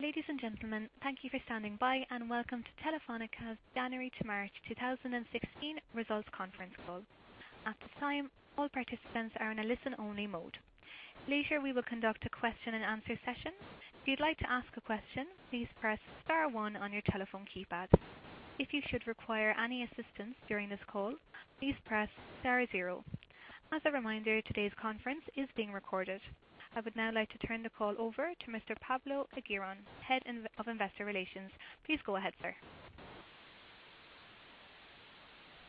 Ladies and gentlemen, thank you for standing by, and welcome to Telefónica's January to March 2016 results conference call. At this time, all participants are in a listen-only mode. Later, we will conduct a question-and-answer session. If you'd like to ask a question, please press star one on your telephone keypad. If you should require any assistance during this call, please press star zero. As a reminder, today's conference is being recorded. I would now like to turn the call over to Mr. Pablo Eguirón, Head of Investor Relations. Please go ahead, sir.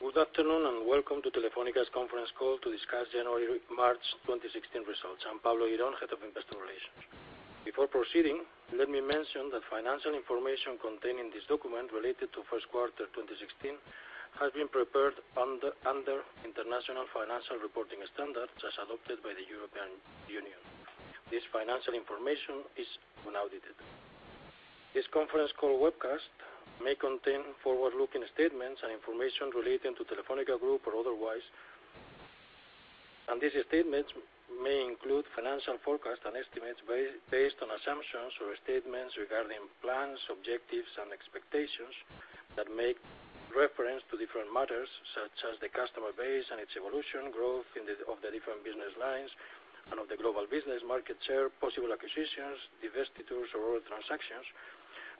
Good afternoon, and welcome to Telefónica's conference call to discuss January to March 2016 results. I'm Pablo Eguirón, Head of Investor Relations. Before proceeding, let me mention that financial information contained in this document related to first quarter 2016 has been prepared under International Financial Reporting Standards as adopted by the European Union. This financial information is unaudited. This conference call webcast may contain forward-looking statements and information relating to Telefónica Group or otherwise, and these statements may include financial forecasts and estimates based on assumptions or statements regarding plans, objectives, and expectations that make reference to d`ifferent matters such as the customer base and its evolution, growth of the different business lines and of the global business market share, possible acquisitions, divestitures, or other transactions,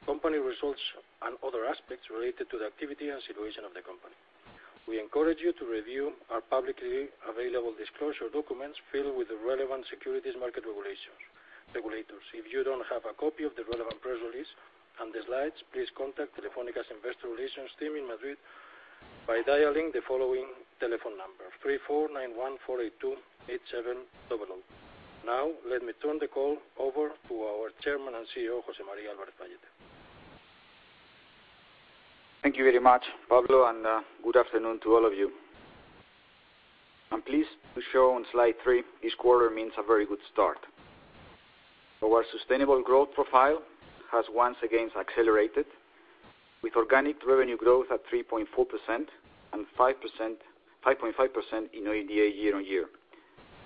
company results, and other aspects related to the activity and situation of the company. We encourage you to review our publicly available disclosure documents filed with the relevant securities market regulators. If you don't have a copy of the relevant press release and the slides, please contact Telefónica's investor relations team in Madrid by dialing the following telephone number, 34914828700. Now, let me turn the call over to our Chairman and CEO, José María Álvarez-Pallete. Thank you very much, Pablo. Good afternoon to all of you. I'm pleased to show on slide three this quarter means a very good start. Our sustainable growth profile has once again accelerated with organic revenue growth at 3.4% and 5.5% in OIBDA year-on-year,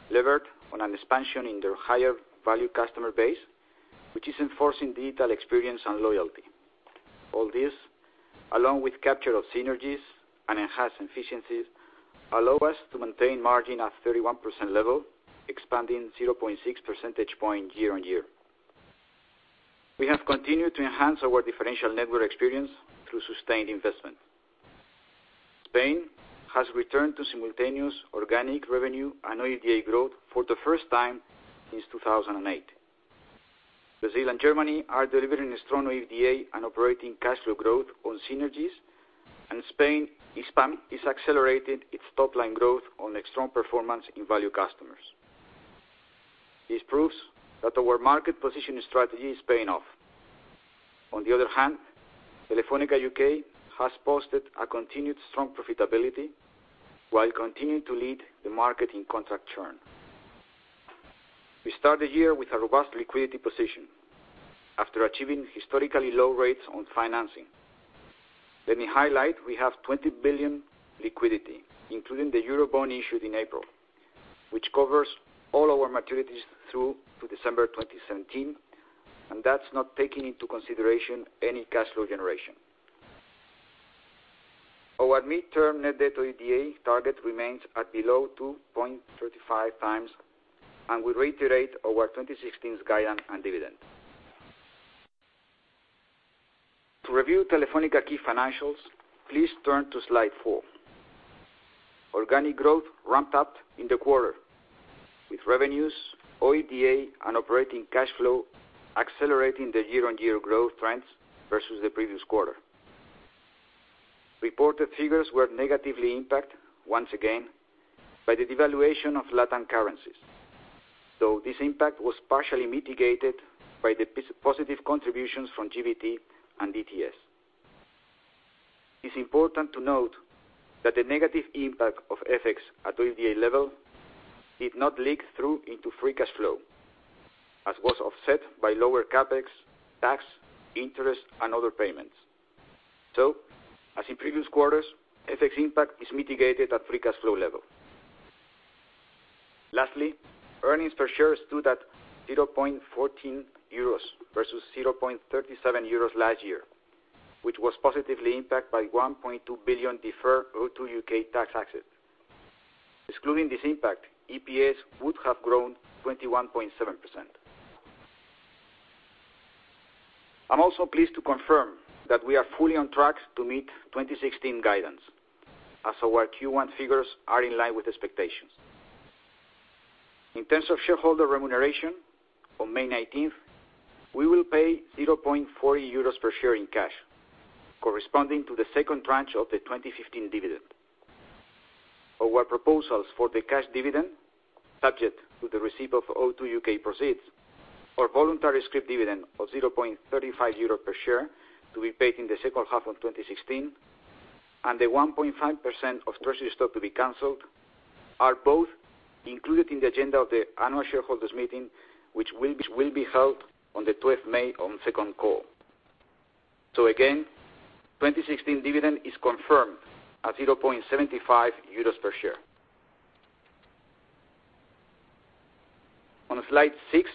levered on an expansion in their higher value customer base, which is enforcing digital experience and loyalty. All this, along with capture of synergies and enhanced efficiencies, allow us to maintain margin at 31% level, expanding 0.6 percentage point year-on-year. We have continued to enhance our differential network experience through sustained investment. Spain has returned to simultaneous organic revenue and OIBDA growth for the first time since 2008. Brazil and Germany are delivering a strong OIBDA and operating cash flow growth on synergies, and Spain is accelerating its top-line growth on a strong performance in value customers. This proves that our market position strategy is paying off. On the other hand, Telefónica U.K. has posted a continued strong profitability while continuing to lead the market in contract churn. We start the year with a robust liquidity position after achieving historically low rates on financing. Let me highlight, we have 20 billion liquidity, including the Eurobond issued in April, which covers all our maturities through to December 2017, and that's not taking into consideration any cash flow generation. Our midterm net debt to OIBDA target remains at below 2.35x, and we reiterate our 2016 guidance and dividend. To review Telefónica key financials, please turn to slide four. Organic growth ramped up in the quarter, with revenues, OIBDA, and operating cash flow accelerating the year-on-year growth trends versus the previous quarter. Reported figures were negatively impacted once again by the devaluation of Latin currencies, though this impact was partially mitigated by the positive contributions from GVT and DTS. It's important to note that the negative impact of FX at OIBDA level did not leak through into free cash flow, as was offset by lower CapEx, tax, interest, and other payments. As in previous quarters, FX impact is mitigated at free cash flow level. Lastly, earnings per share stood at 0.14 euros versus 0.37 euros last year, which was positively impacted by 1.2 billion deferred O2 U.K. tax assets. Excluding this impact, EPS would have grown 21.7%. I'm also pleased to confirm that we are fully on track to meet 2016 guidance, as our Q1 figures are in line with expectations. In terms of shareholder remuneration, on May 19th, we will pay 0.40 euros per share in cash, corresponding to the second tranche of the 2015 dividend. Our proposals for the cash dividend, subject to the receipt of O2 U.K. proceeds or voluntary scrip dividend of 0.35 euro per share to be paid in the second half of 2016, and the 1.5% of treasury stock to be canceled, are both included in the agenda of the annual shareholders' meeting, which will be held on the 12th May on second call. Again, 2016 dividend is confirmed at 0.75 euros per share. On slide six,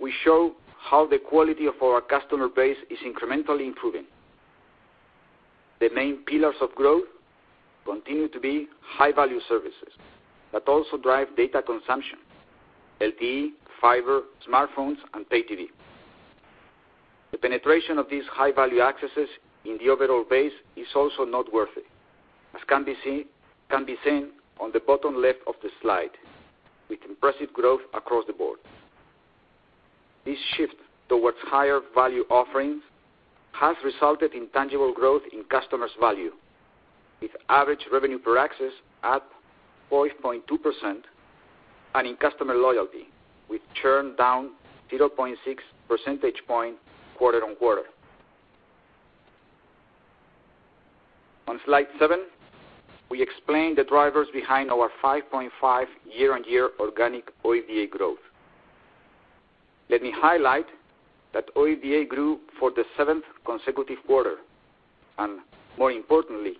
we show how the quality of our customer base is incrementally improving. The main pillars of growth continue to be high-value services that also drive data consumption, LTE, fiber, smartphones, and pay TV. The penetration of these high-value accesses in the overall base is also noteworthy, as can be seen on the bottom left of the slide, with impressive growth across the board. This shift towards higher value offerings has resulted in tangible growth in customers' value, with average revenue per access up 4.2% and in customer loyalty, with churn down 0.6 percentage point quarter-on-quarter. On slide seven, we explain the drivers behind our 5.5 year-on-year organic OIBDA growth. Let me highlight that OIBDA grew for the seventh consecutive quarter, and more importantly,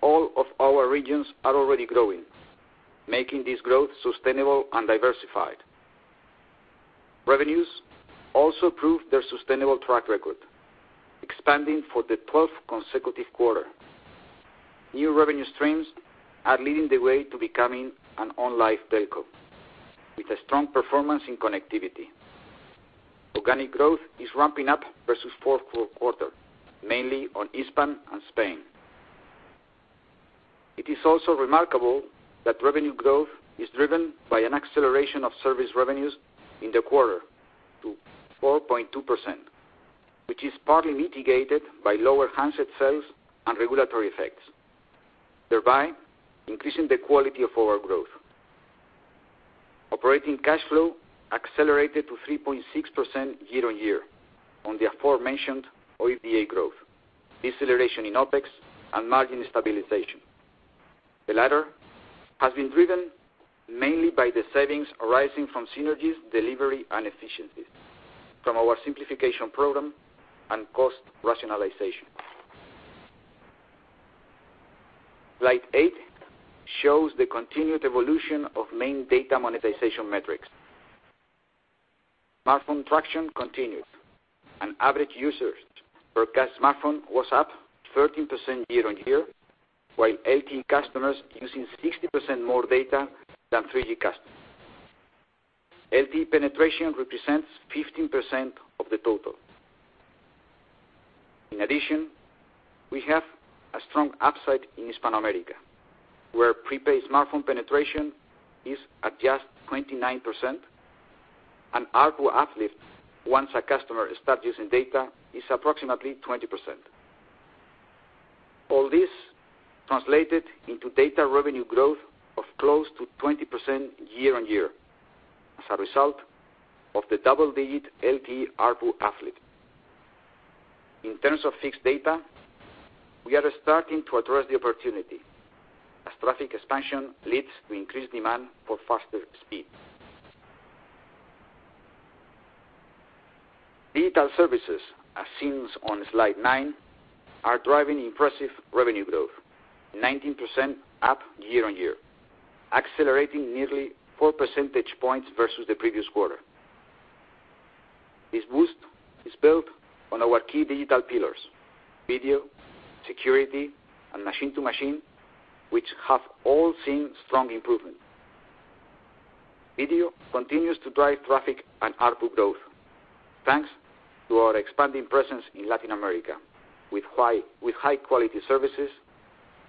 all of our regions are already growing, making this growth sustainable and diversified. Revenues also proved their sustainable track record, expanding for the 12th consecutive quarter. New revenue streams are leading the way to becoming an all-life telco, with a strong performance in connectivity. Organic growth is ramping up versus fourth quarter, mainly on Hispasat and Spain. It is also remarkable that revenue growth is driven by an acceleration of service revenues in the quarter to 4.2%, which is partly mitigated by lower handset sales and regulatory effects, thereby increasing the quality of our growth. Operating cash flow accelerated to 3.6% year-on-year on the aforementioned OIBDA growth, deceleration in OpEx, and margin stabilization. The latter has been driven mainly by the savings arising from synergies delivery and efficiencies from our simplification program and cost rationalization. Slide eight shows the continued evolution of main data monetization metrics. Smartphone traction continues, and average users per smartphone was up 13% year-on-year, while LTE customers using 60% more data than 3G customers. LTE penetration represents 15% of the total. In addition, we have a strong upside in Hispanoamérica, where prepaid smartphone penetration is at just 29%, and ARPU uplift once a customer starts using data is approximately 20%. All this translated into data revenue growth of close to 20% year-on-year as a result of the double-digit LTE ARPU uplift. In terms of fixed data, we are starting to address the opportunity as traffic expansion leads to increased demand for faster speeds. Digital services, as seen on slide nine, are driving impressive revenue growth 19% up year-on-year, accelerating nearly 4 percentage points versus the previous quarter. This boost is built on our key digital pillars: video, security, and machine-to-machine, which have all seen strong improvement. Video continues to drive traffic and ARPU growth, thanks to our expanding presence in Latin America with high-quality services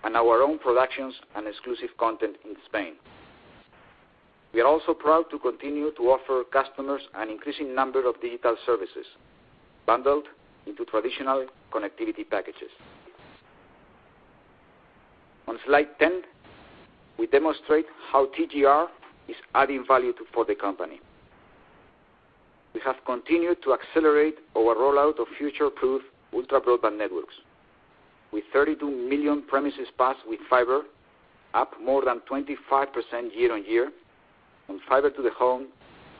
and our own productions and exclusive content in Spain. We are also proud to continue to offer customers an increasing number of digital services bundled into traditional connectivity packages. On slide 10, we demonstrate how TGR is adding value for the company. We have continued to accelerate our rollout of future-proof ultra-broadband networks with 32 million premises passed with fiber up more than 25% year-on-year on Fiber to the Home,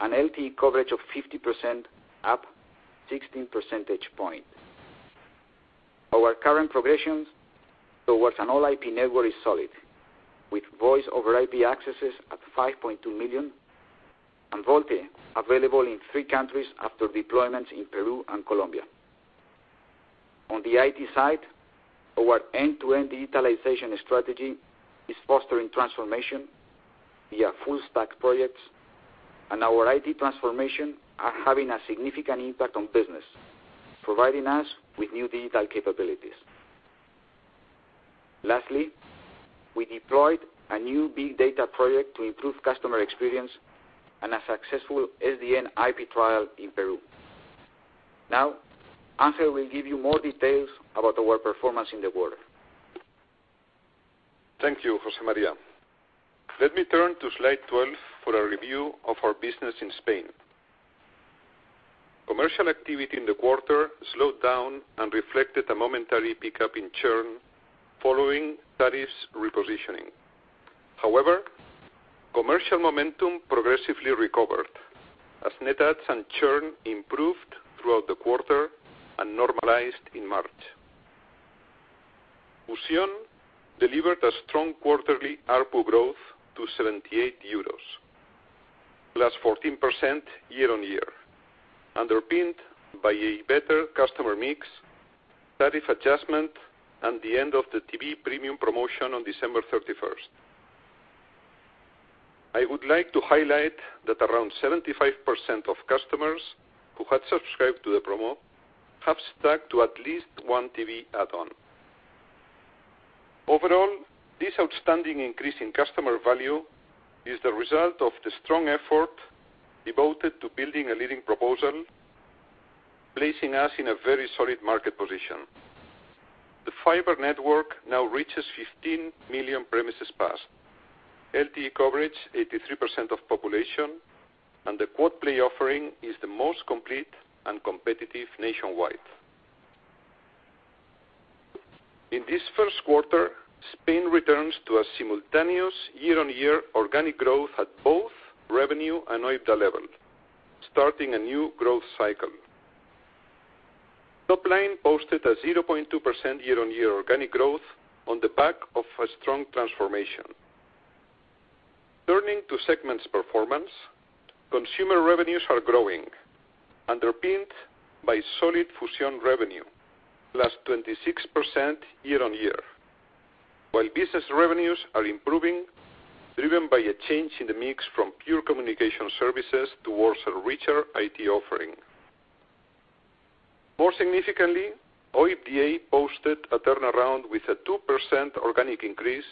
and LTE coverage of 50% up 16 percentage points. Our current progression towards an all IP network is solid, with Voice over IP accesses at 5.2 million and VoLTE available in three countries after deployment in Peru and Colombia. On the IT side, our end-to-end digitalization strategy is fostering transformation via full stack projects and our IT transformation are having a significant impact on business, providing us with new digital capabilities. Lastly, we deployed a new big data project to improve customer experience and a successful SDN IP trial in Peru. Now, Ángel will give you more details about our performance in the quarter. Thank you, José María. Let me turn to Slide 12 for a review of our business in Spain. Commercial activity in the quarter slowed down and reflected a momentary pickup in churn following tariff repositioning. However, commercial momentum progressively recovered as net adds and churn improved throughout the quarter and normalized in March. Fusión delivered a strong quarterly ARPU growth to 78 euros, +14% year-on-year, underpinned by a better customer mix, tariff adjustment, and the end of the TV premium promotion on December 31st. I would like to highlight that around 75% of customers who had subscribed to the promo have stuck to at least one TV add-on. Overall, this outstanding increase in customer value is the result of the strong effort devoted to building a leading proposal, placing us in a very solid market position. The fiber network now reaches 15 million premises passed, LTE coverage 83% of population, and the quad-play offering is the most complete and competitive nationwide. In this first quarter, Spain returns to a simultaneous year-on-year organic growth at both revenue and OIBDA level, starting a new growth cycle. Top line posted a 0.2% year-on-year organic growth on the back of a strong transformation. Turning to segments performance, consumer revenues are growing, underpinned by solid Fusión revenue, +26% year-on-year, while business revenues are improving, driven by a change in the mix from pure communication services towards a richer IT offering. More significantly, OIBDA posted a turnaround with a 2% organic increase,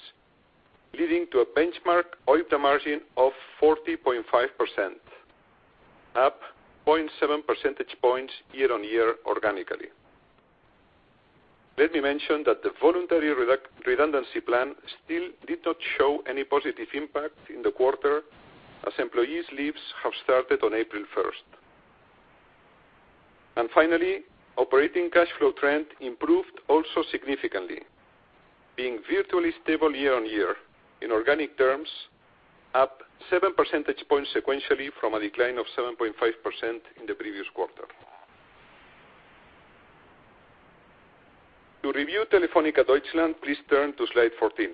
leading to a benchmark OIBDA margin of 40.5%, up 0.7 percentage points year-on-year organically. Let me mention that the voluntary redundancy plan still did not show any positive impact in the quarter, as employees leaves have started on April 1st. Finally, operating cash flow trend improved also significantly, being virtually stable year-on-year in organic terms, up 7% sequentially from a decline of 7.5% in the previous quarter. To review Telefónica Deutschland, please turn to Slide 14.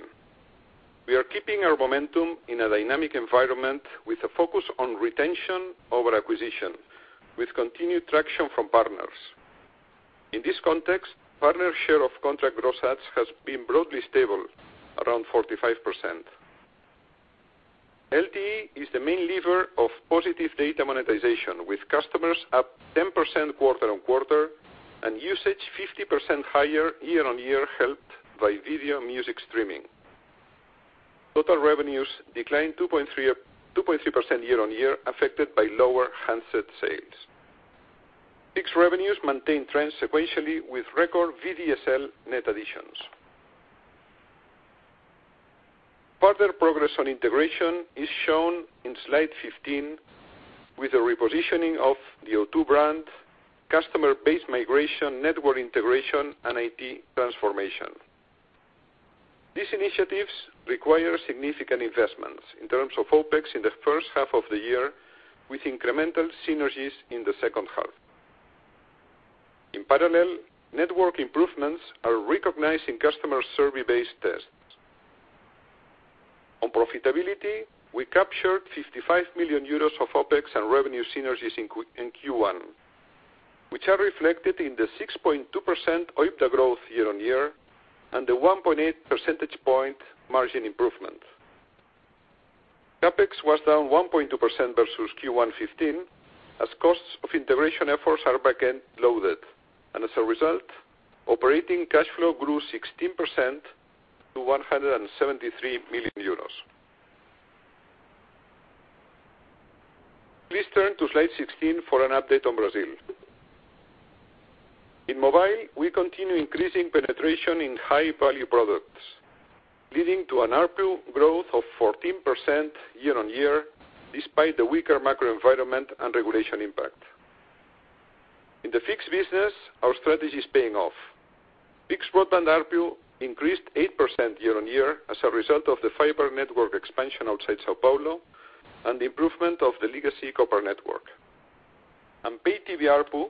We are keeping our momentum in a dynamic environment with a focus on retention over acquisition, with continued traction from partners. In this context, partner share of contract gross adds has been broadly stable, around 45%. LTE is the main lever of positive data monetization, with customers up 10% quarter-on-quarter and usage 50% higher year-on-year, helped by video and music streaming. Total revenues declined 2.3% year-on-year, affected by lower handset sales. Fixed revenues maintain trends sequentially with record VDSL net additions. Further progress on integration is shown in Slide 15 with the repositioning of the O2 brand, customer base migration, network integration, and IT transformation. These initiatives require significant investments in terms of OpEx in the first half of the year, with incremental synergies in the second half. In parallel, network improvements are recognized in customer survey-based tests. On profitability, we captured 55 million euros of OpEx and revenue synergies in Q1, which are reflected in the 6.2% OIBDA growth year-on-year and the 1.8 percentage point margin improvement. CapEx was down 1.2% versus Q1 2015, as costs of integration efforts are back-end loaded, and as a result, operating cash flow grew 16% to EUR 173 million. Please turn to Slide 16 for an update on Brazil. In mobile, we continue increasing penetration in high-value products, leading to an ARPU growth of 14% year-on-year, despite the weaker macro environment and regulation impact. In the fixed business, our strategy is paying off. Fixed broadband ARPU increased 8% year-on-year as a result of the fiber network expansion outside São Paulo and the improvement of the legacy copper network. Pay TV ARPU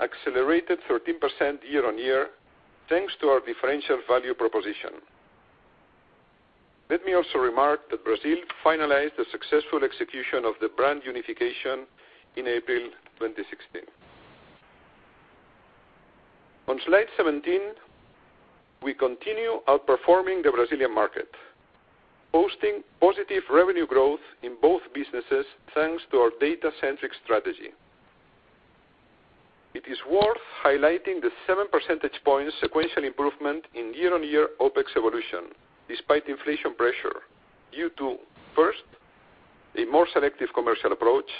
accelerated 13% year-on-year, thanks to our differential value proposition. Let me also remark that Brazil finalized the successful execution of the brand unification in April 2016. On Slide 17, we continue outperforming the Brazilian market, posting positive revenue growth in both businesses, thanks to our data-centric strategy. It is worth highlighting the seven percentage point sequential improvement in year-on-year OpEx evolution despite inflation pressure due to, first, a more selective commercial approach;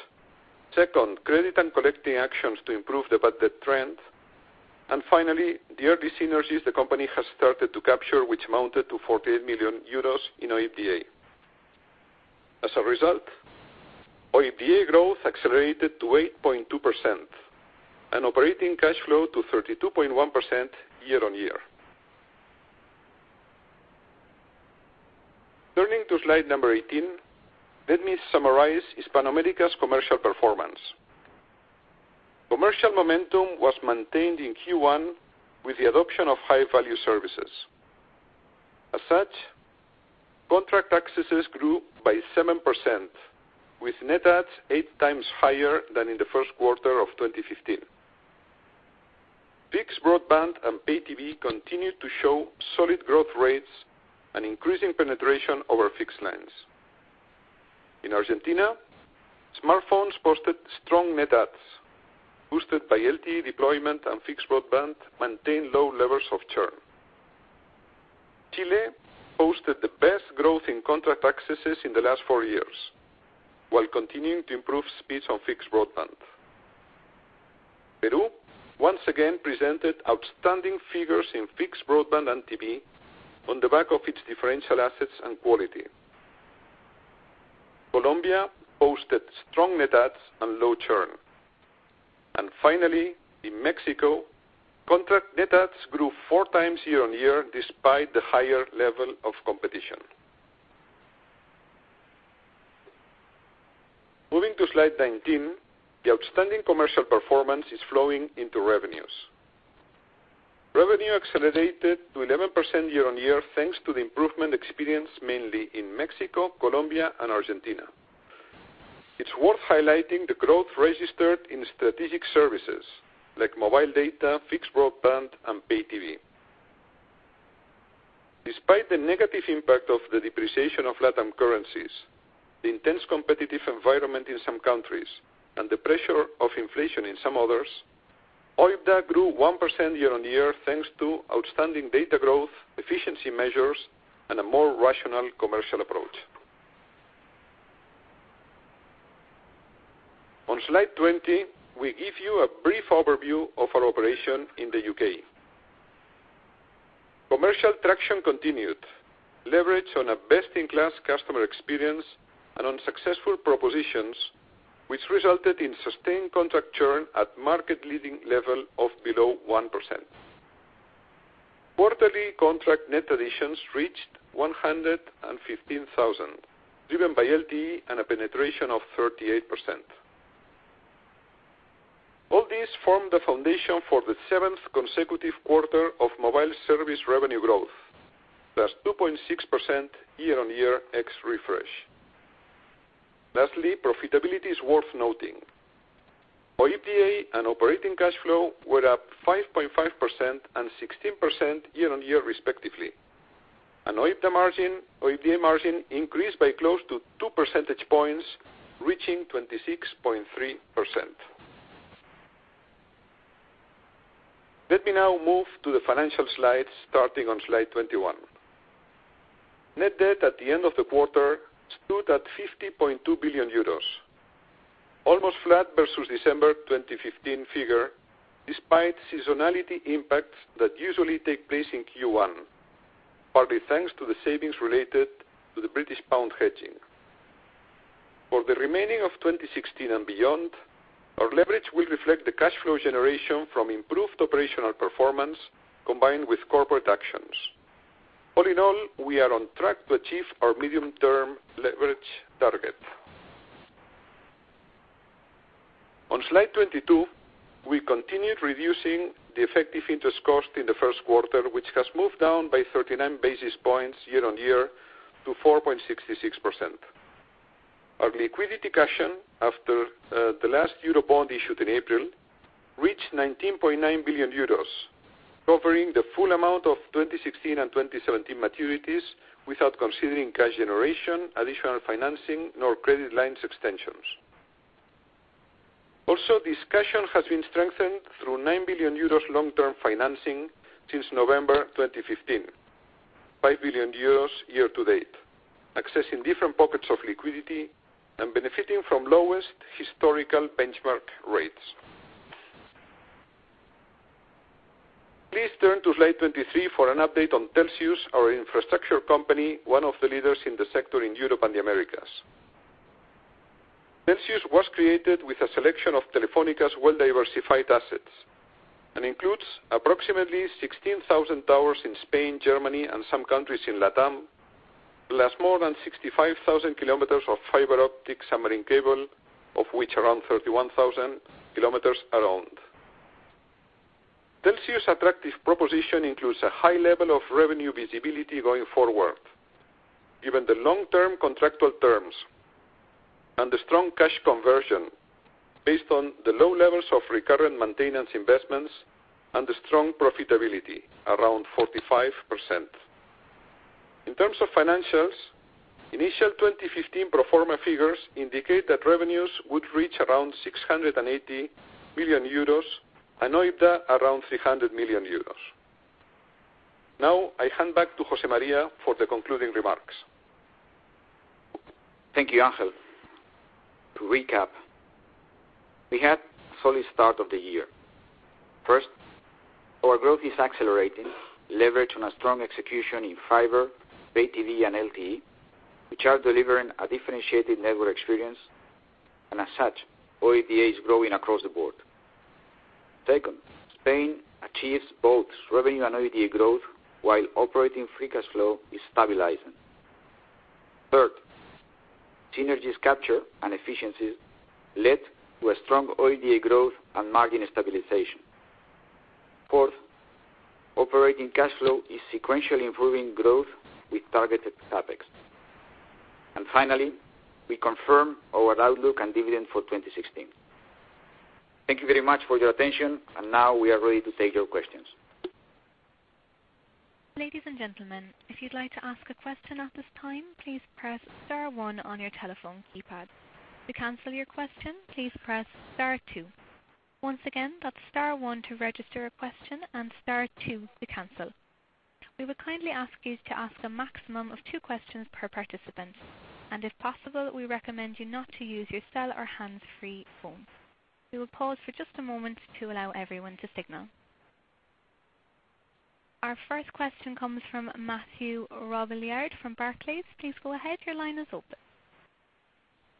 second, credit and collecting actions to improve the budget trend; and finally, the early synergies the company has started to capture, which amounted to 48 million euros in OIBDA. As a result, OIBDA growth accelerated to 8.2% and operating cash flow to 32.1% year-on-year. Turning to Slide 18, let me summarize Hispanoamérica's commercial performance. Commercial momentum was maintained in Q1 with the adoption of high-value services. As such, contract accesses grew by 7%, with net adds 8x higher than in the first quarter of 2015. Fixed broadband and pay TV continued to show solid growth rates and increasing penetration over fixed lines. In Argentina, smartphones posted strong net adds, boosted by LTE deployment, and fixed broadband maintained low levels of churn. Chile posted the best growth in contract accesses in the last four years while continuing to improve speeds on fixed broadband. Peru, once again, presented outstanding figures in fixed broadband and TV on the back of its differential assets and quality. Colombia posted strong net adds and low churn. Finally, in Mexico, contract net adds grew 4x year-on-year despite the higher level of competition. Moving to Slide 19, the outstanding commercial performance is flowing into revenues. Revenue accelerated to 11% year-on-year, thanks to the improvement experienced mainly in Mexico, Colombia, and Argentina. It's worth highlighting the growth registered in strategic services like mobile data, fixed broadband, and pay TV. Despite the negative impact of the depreciation of LatAm currencies, the intense competitive environment in some countries, and the pressure of inflation in some others, OIBDA grew 1% year-on-year, thanks to outstanding data growth, efficiency measures, and a more rational commercial approach. On Slide 20, we give you a brief overview of our operation in the U.K. Commercial traction continued, leverage on a best-in-class customer experience and on successful propositions, which resulted in sustained contract churn at market leading level of below 1%. Quarterly contract net additions reached 115,000, driven by LTE and a penetration of 38%. All this formed the foundation for the seventh consecutive quarter of mobile service revenue growth, plus 2.6% year-on-year ex refresh. Lastly, profitability is worth noting. OIBDA and operating cash flow were up 5.5% and 16% year-on-year respectively, and OIBDA margin increased by close to two percentage points, reaching 26.3%. Let me now move to the financial slides, starting on Slide 21. Net debt at the end of the quarter stood at 50.2 billion euros, almost flat versus December 2015 figure, despite seasonality impacts that usually take place in Q1, partly thanks to the savings related to the British pound hedging. For the remaining of 2016 and beyond, our leverage will reflect the cash flow generation from improved operational performance combined with corporate actions. All in all, we are on track to achieve our medium-term leverage target. On Slide 22, we continued reducing the effective interest cost in the first quarter, which has moved down by 39 basis points year-on-year to 4.66%. Our liquidity cushion, after the last Eurobond issued in April, reached 19.9 billion euros, covering the full amount of 2016 and 2017 maturities without considering cash generation, additional financing, nor credit lines extensions. This cushion has been strengthened through 9 billion euros long-term financing since November 2015, 5 billion euros year-to-date, accessing different pockets of liquidity and benefiting from lowest historical benchmark rates. Please turn to Slide 23 for an update on Telxius, our infrastructure company, one of the leaders in the sector in Europe and the Americas. Telxius was created with a selection of Telefónica's well-diversified assets and includes approximately 16,000 towers in Spain, Germany, and some countries in LatAm, plus more than 65,000 kilometers of fiber-optic submarine cable, of which around 31,000 kilometers are owned. Telxius' attractive proposition includes a high level of revenue visibility going forward, given the long-term contractual terms and the strong cash conversion based on the low levels of recurrent maintenance investments and the strong profitability, around 45%. In terms of financials, initial 2015 pro forma figures indicate that revenues would reach around 680 million euros and OIBDA around 300 million euros. I hand back to José María for the concluding remarks. Thank you, Ángel. To recap, we had a solid start of the year. First, our growth is accelerating, leverage on a strong execution in fiber, Pay TV, and LTE, which are delivering a differentiated network experience. As such, OIBDA is growing across the board. Second, Spain achieves both revenue and OIBDA growth while operating free cash flow is stabilizing. Third, synergies capture and efficiencies led to a strong OIBDA growth and margin stabilization. Fourth, operating cash flow is sequentially improving growth with targeted CapEx. Finally, we confirm our outlook and dividend for 2016. Thank you very much for your attention, Now we are ready to take your questions. Ladies and gentlemen, if you'd like to ask a question at this time, please press star one on your telephone keypad. To cancel your question, please press star two. Once again, that's star one to register a question, and star two to cancel. We would kindly ask you to ask a maximum of two questions per participant, and if possible, we recommend you not to use your cell or hands-free phone. We will pause for just a moment to allow everyone to signal. Our first question comes from Mathieu Robilliard from Barclays. Please go ahead. Your line is open.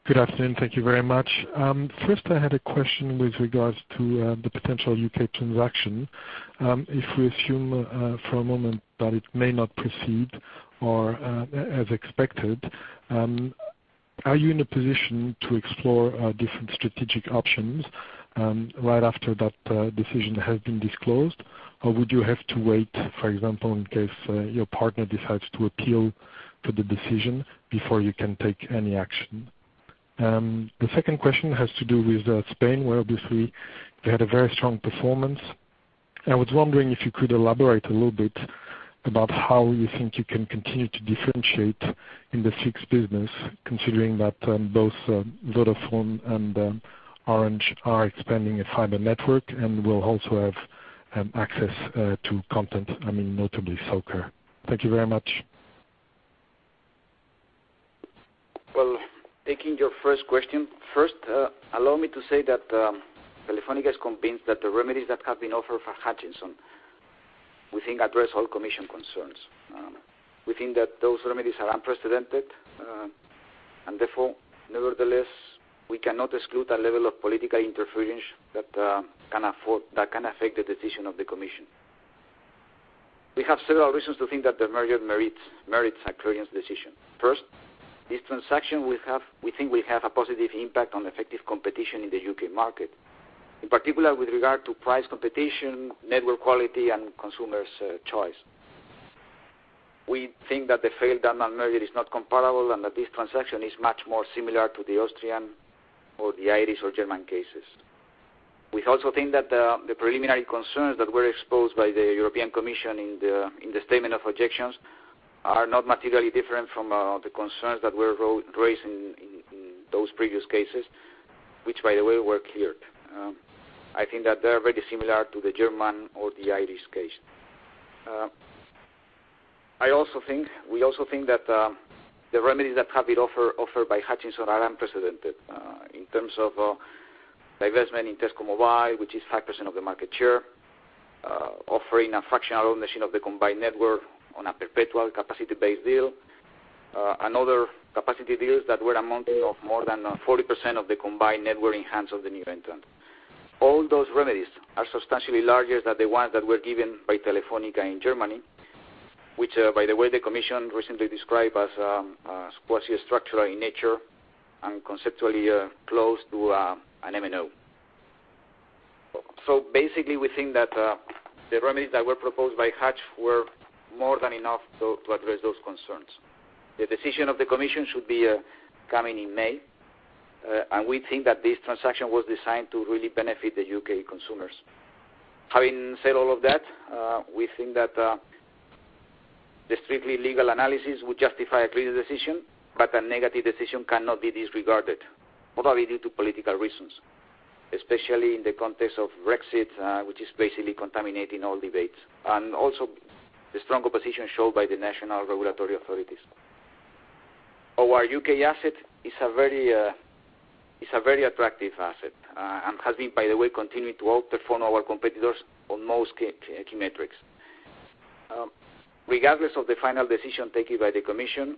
Good afternoon. Thank you very much. I had a question with regards to the potential U.K. transaction. If we assume for a moment that it may not proceed or as expected, are you in a position to explore different strategic options right after that decision has been disclosed? Would you have to wait, for example, in case your partner decides to appeal to the decision before you can take any action? The second question has to do with Spain, where obviously they had a very strong performance, I was wondering if you could elaborate a little bit about how you think you can continue to differentiate in the fixed business considering that both Vodafone and Orange are expanding a fiber network and will also have access to content, I mean, notably soccer. Thank you very much. Well, taking your first question. Allow me to say that Telefónica is convinced that the remedies that have been offered for Hutchison, we think address all Commission concerns. Therefore, nevertheless, we cannot exclude a level of political interference that can affect the decision of the Commission. We have several reasons to think that the merger merits a clearance decision. This transaction we think will have a positive impact on effective competition in the U.K. market, in particular with regard to price competition, network quality, and consumers' choice. We think that the failed merger is not comparable and that this transaction is much more similar to the Austrian or the Irish or German cases. We also think that the preliminary concerns that were exposed by the European Commission in the statement of objections are not materially different from the concerns that were raised in those previous cases, which, by the way, were cleared. I think that they are very similar to the German or the Irish case. We also think that the remedies that have been offered by Hutchison are unprecedented in terms of divestment in Tesco Mobile, which is 5% of the market share, offering a fractional ownership of the combined network on a perpetual capacity-based deal. Another capacity deals that were amounting of more than 40% of the combined network in hands of the new entrant. All those remedies are substantially larger than the ones that were given by Telefónica in Germany, which, by the way, the Commission recently described as quasi structural in nature and conceptually close to an MVNO. We think that the remedies that were proposed by Hutch were more than enough to address those concerns. The decision of the Commission should be coming in May, and we think that this transaction was designed to really benefit the U.K. consumers. Having said all of that, we think that the strictly legal analysis would justify a clear decision, but a negative decision cannot be disregarded, probably due to political reasons, especially in the context of Brexit, which is basically contaminating all debates, and also the strong opposition shown by the national regulatory authorities. Our U.K. asset is a very attractive asset, and has been, by the way, continuing to outperform our competitors on most key metrics. Regardless of the final decision taken by the Commission,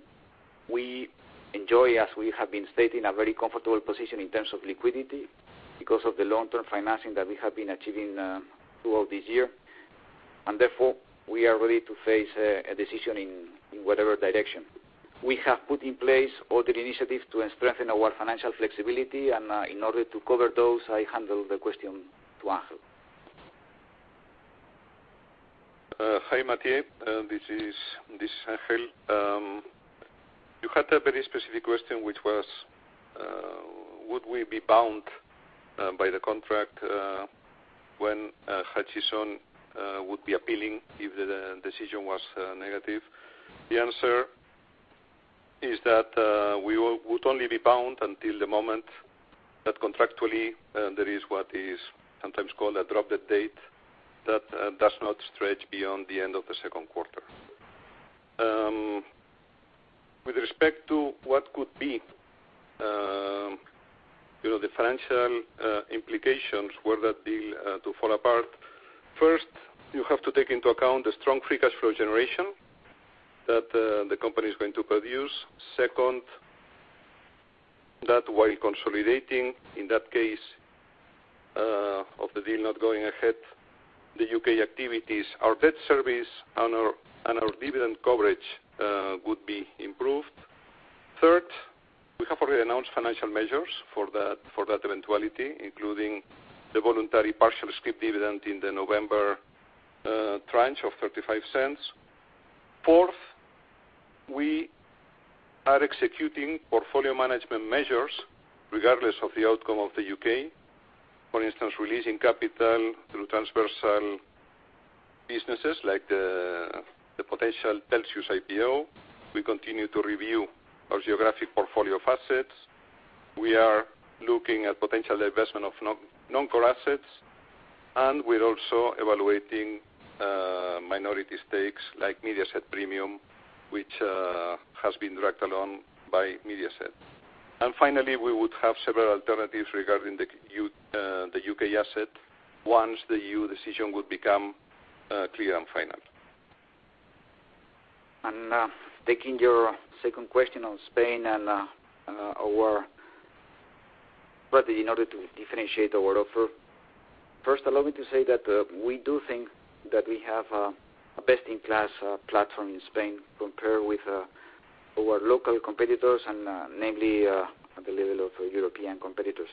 we enjoy, as we have been stating, a very comfortable position in terms of liquidity because of the long-term financing that we have been achieving throughout this year. Therefore, we are ready to face a decision in whatever direction. We have put in place all the initiatives to strengthen our financial flexibility, in order to cover those, I hand over the question to Ángel. Hi, Mathieu. This is Ángel. You had a very specific question, which was, would we be bound by the contract when Hutchison would be appealing if the decision was negative? The answer is that we would only be bound until the moment that contractually there is what is sometimes called a drop-dead date that does not stretch beyond the end of the second quarter. With respect to what could be the financial implications were that deal to fall apart, first, you have to take into account the strong free cash flow generation that the company is going to produce. Second, that while consolidating, in that case of the deal not going ahead, the U.K. activities, our debt service and our dividend coverage would be improved. Third, we have already announced financial measures for that eventuality, including the voluntary partial scrip dividend in the November tranche of 0.35. Fourth, we are executing portfolio management measures regardless of the outcome of the U.K. For instance, releasing capital through transversal businesses like the potential Telxius IPO. We continue to review our geographic portfolio of assets. We are looking at potential divestment of non-core assets, we're also evaluating minority stakes like Mediaset Premium, which has been dragged along by Mediaset. Finally, we would have several alternatives regarding the U.K. asset once the EU decision would become clear and final. Taking your second question on Spain and in order to differentiate our offer. First, allow me to say that we do think that we have a best-in-class platform in Spain compared with our local competitors and namely at the level of European competitors.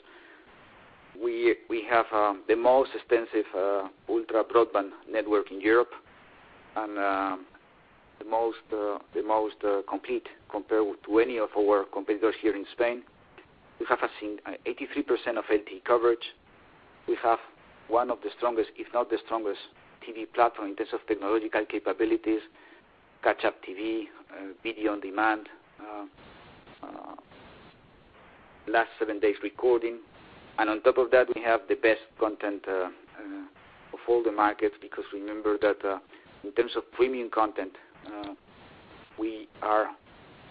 We have the most extensive ultra broadband network in Europe and the most complete compared to any of our competitors here in Spain. We have seen 83% of LTE coverage. We have one of the strongest, if not the strongest TV platform in terms of technological capabilities, catch-up TV, video on demand, last seven days recording. On top of that, we have the best content of all the markets because remember that in terms of premium content, we are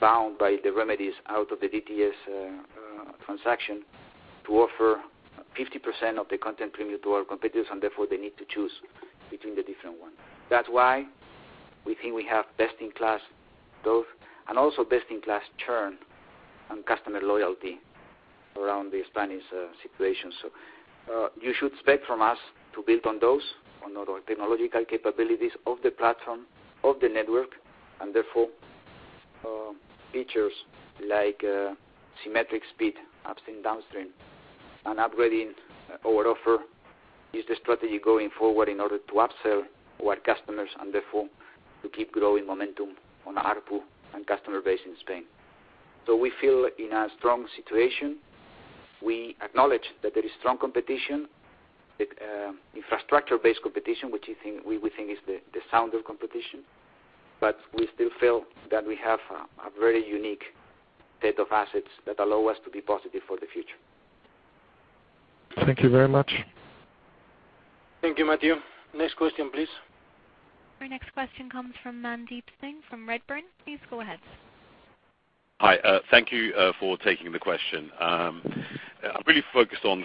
bound by the remedies out of the DTS transaction to offer 50% of the content premium to our competitors, and therefore they need to choose between the different ones. That's why we think we have best-in-class growth and also best-in-class churn and customer loyalty around the Spanish situation. You should expect from us to build on those, on our technological capabilities of the platform, of the network, and therefore, features like symmetric speed upstream, downstream, and upgrading our offer is the strategy going forward in order to upsell our customers and therefore to keep growing momentum on ARPU and customer base in Spain. We feel in a strong situation. We acknowledge that there is strong competition, infrastructure-based competition, which we think is the sounder competition, but we still feel that we have a very unique set of assets that allow us to be positive for the future. Thank you very much. Thank you, Mathieu. Next question, please. Our next question comes from Mandeep Singh from Redburn. Please go ahead. Hi. Thank you for taking the question. I'm really focused on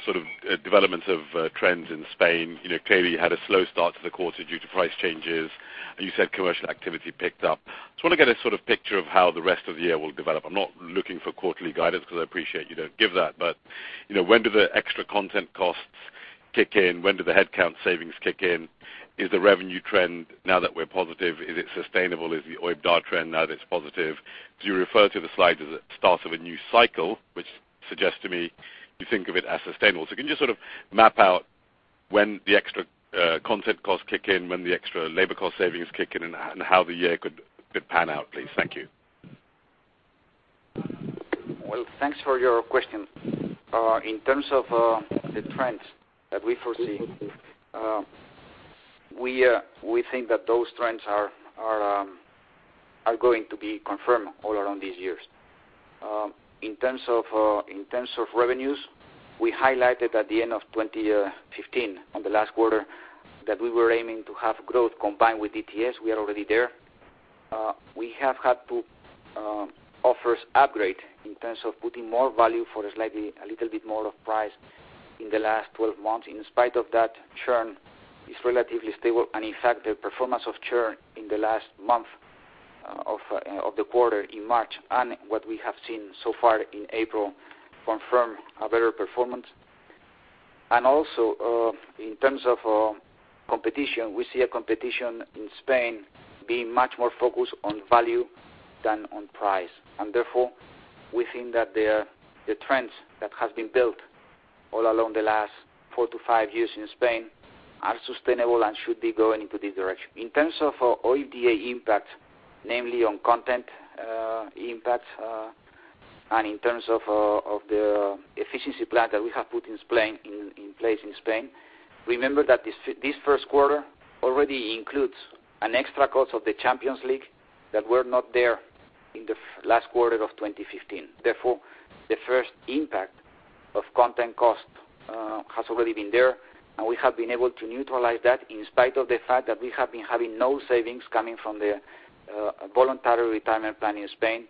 development of trends in Spain. Clearly, you had a slow start to the quarter due to price changes, and you said commercial activity picked up. Just want to get a picture of how the rest of the year will develop. I'm not looking for quarterly guidance because I appreciate you don't give that. When do the extra content costs kick in? When do the headcount savings kick in? Is the revenue trend, now that we're positive, is it sustainable? Is the OIBDA trend, now that it's positive? Do you refer to the slide as a start of a new cycle, which suggests to me you think of it as sustainable. Can you just map out when the extra content costs kick in, when the extra labor cost savings kick in, and how the year could pan out, please? Thank you. Well, thanks for your question. In terms of the trends that we foresee, we think that those trends are going to be confirmed all around these years. In terms of revenues, we highlighted at the end of 2015, on the last quarter, that we were aiming to have growth combined with DTS. We are already there. We have had to offer upgrade in terms of putting more value for a little bit more of price in the last 12 months. In spite of that, churn is relatively stable. In fact, the performance of churn in the last month of the quarter in March and what we have seen so far in April confirm a better performance. Also, in terms of competition, we see a competition in Spain being much more focused on value than on price. Therefore, we think that the trends that have been built all along the last four to five years in Spain are sustainable and should be going into this direction. In terms of OIBDA impact, namely on content impact, and in terms of the efficiency plan that we have put in place in Spain, remember that this first quarter already includes an extra cost of the Champions League that were not there in the last quarter of 2015. Therefore, the first impact of content cost has already been there, and we have been able to neutralize that in spite of the fact that we have been having no savings coming from the voluntary retirement plan in Spain,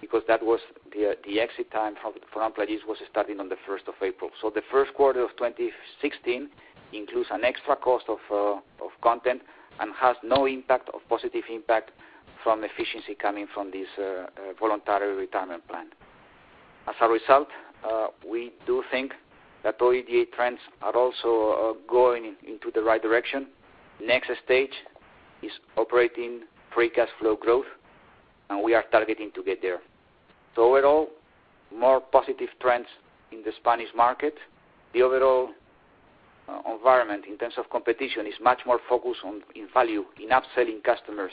because that was the exit time for employees was starting on the 1st of April. The first quarter of 2016 includes an extra cost of content and has no impact or positive impact from efficiency coming from this voluntary retirement plan. As a result, we do think that OIBDA trends are also going into the right direction. Next stage is operating free cash flow growth, and we are targeting to get there. Overall, more positive trends in the Spanish market. The overall environment in terms of competition is much more focused on value in upselling customers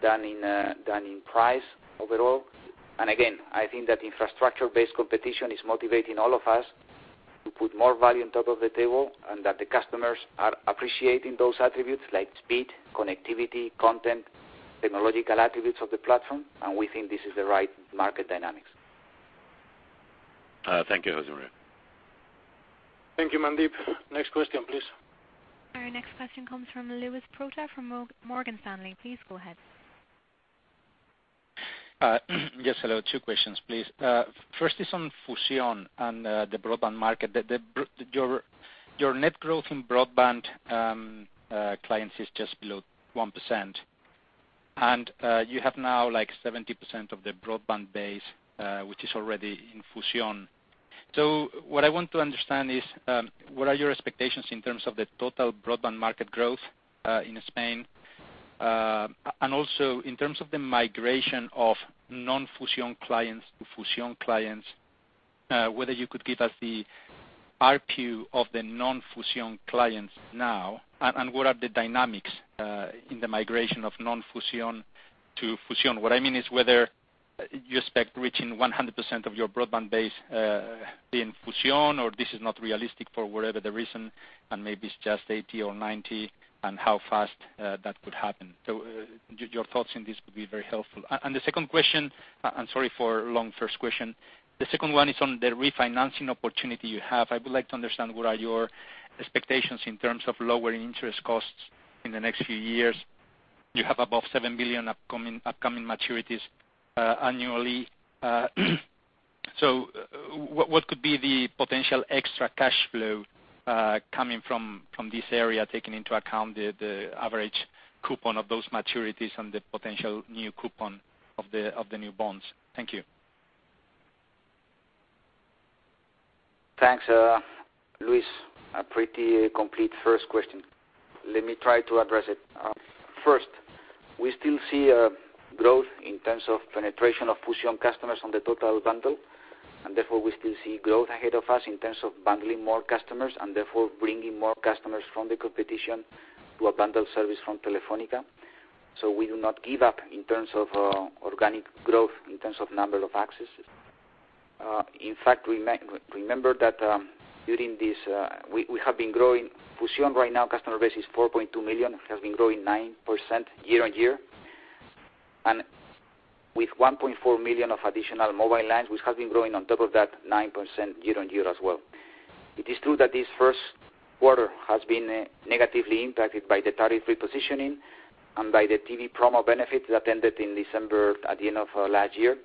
than in price overall. Again, I think that infrastructure-based competition is motivating all of us to put more value on top of the table, and that the customers are appreciating those attributes like speed, connectivity, content, technological attributes of the platform, and we think this is the right market dynamics. Thank you, José María. Thank you, Mandeep. Next question, please. Our next question comes from Luis Prota from Morgan Stanley. Please go ahead. Yes, hello. Two questions, please. First is on Fusión and the broadband market. Your net growth in broadband clients is just below 1%, and you have now 70% of the broadband base, which is already in Fusión. What I want to understand is, what are your expectations in terms of the total broadband market growth in Spain, and also in terms of the migration of non-Fusión clients to Fusión clients, whether you could give us the ARPU of the non-Fusión clients now, and what are the dynamics in the migration of non-Fusión to Fusión? What I mean is whether you expect reaching 100% of your broadband base in Fusión, or this is not realistic for whatever the reason, and maybe it's just 80 or 90, and how fast that could happen. Your thoughts on this would be very helpful. The second question, and sorry for long first question. The second one is on the refinancing opportunity you have. I would like to understand what are your expectations in terms of lowering interest costs in the next few years. You have above 7 billion upcoming maturities annually. What could be the potential extra cash flow coming from this area, taking into account the average coupon of those maturities and the potential new coupon of the new bonds? Thank you. Thanks, Luis. A pretty complete first question. Let me try to address it. First, we still see growth in terms of penetration of Fusión customers on the total bundle, and therefore, we still see growth ahead of us in terms of bundling more customers and therefore bringing more customers from the competition to a bundled service from Telefónica. We do not give up in terms of organic growth, in terms of number of accesses. In fact, remember that Fusión right now customer base is 4.2 million, has been growing 9% year-over-year. With 1.4 million of additional mobile lines, which has been growing on top of that 9% year-over-year as well. It is true that this first quarter has been negatively impacted by the tariff repositioning and by the TV promo benefit that ended in December at the end of last year.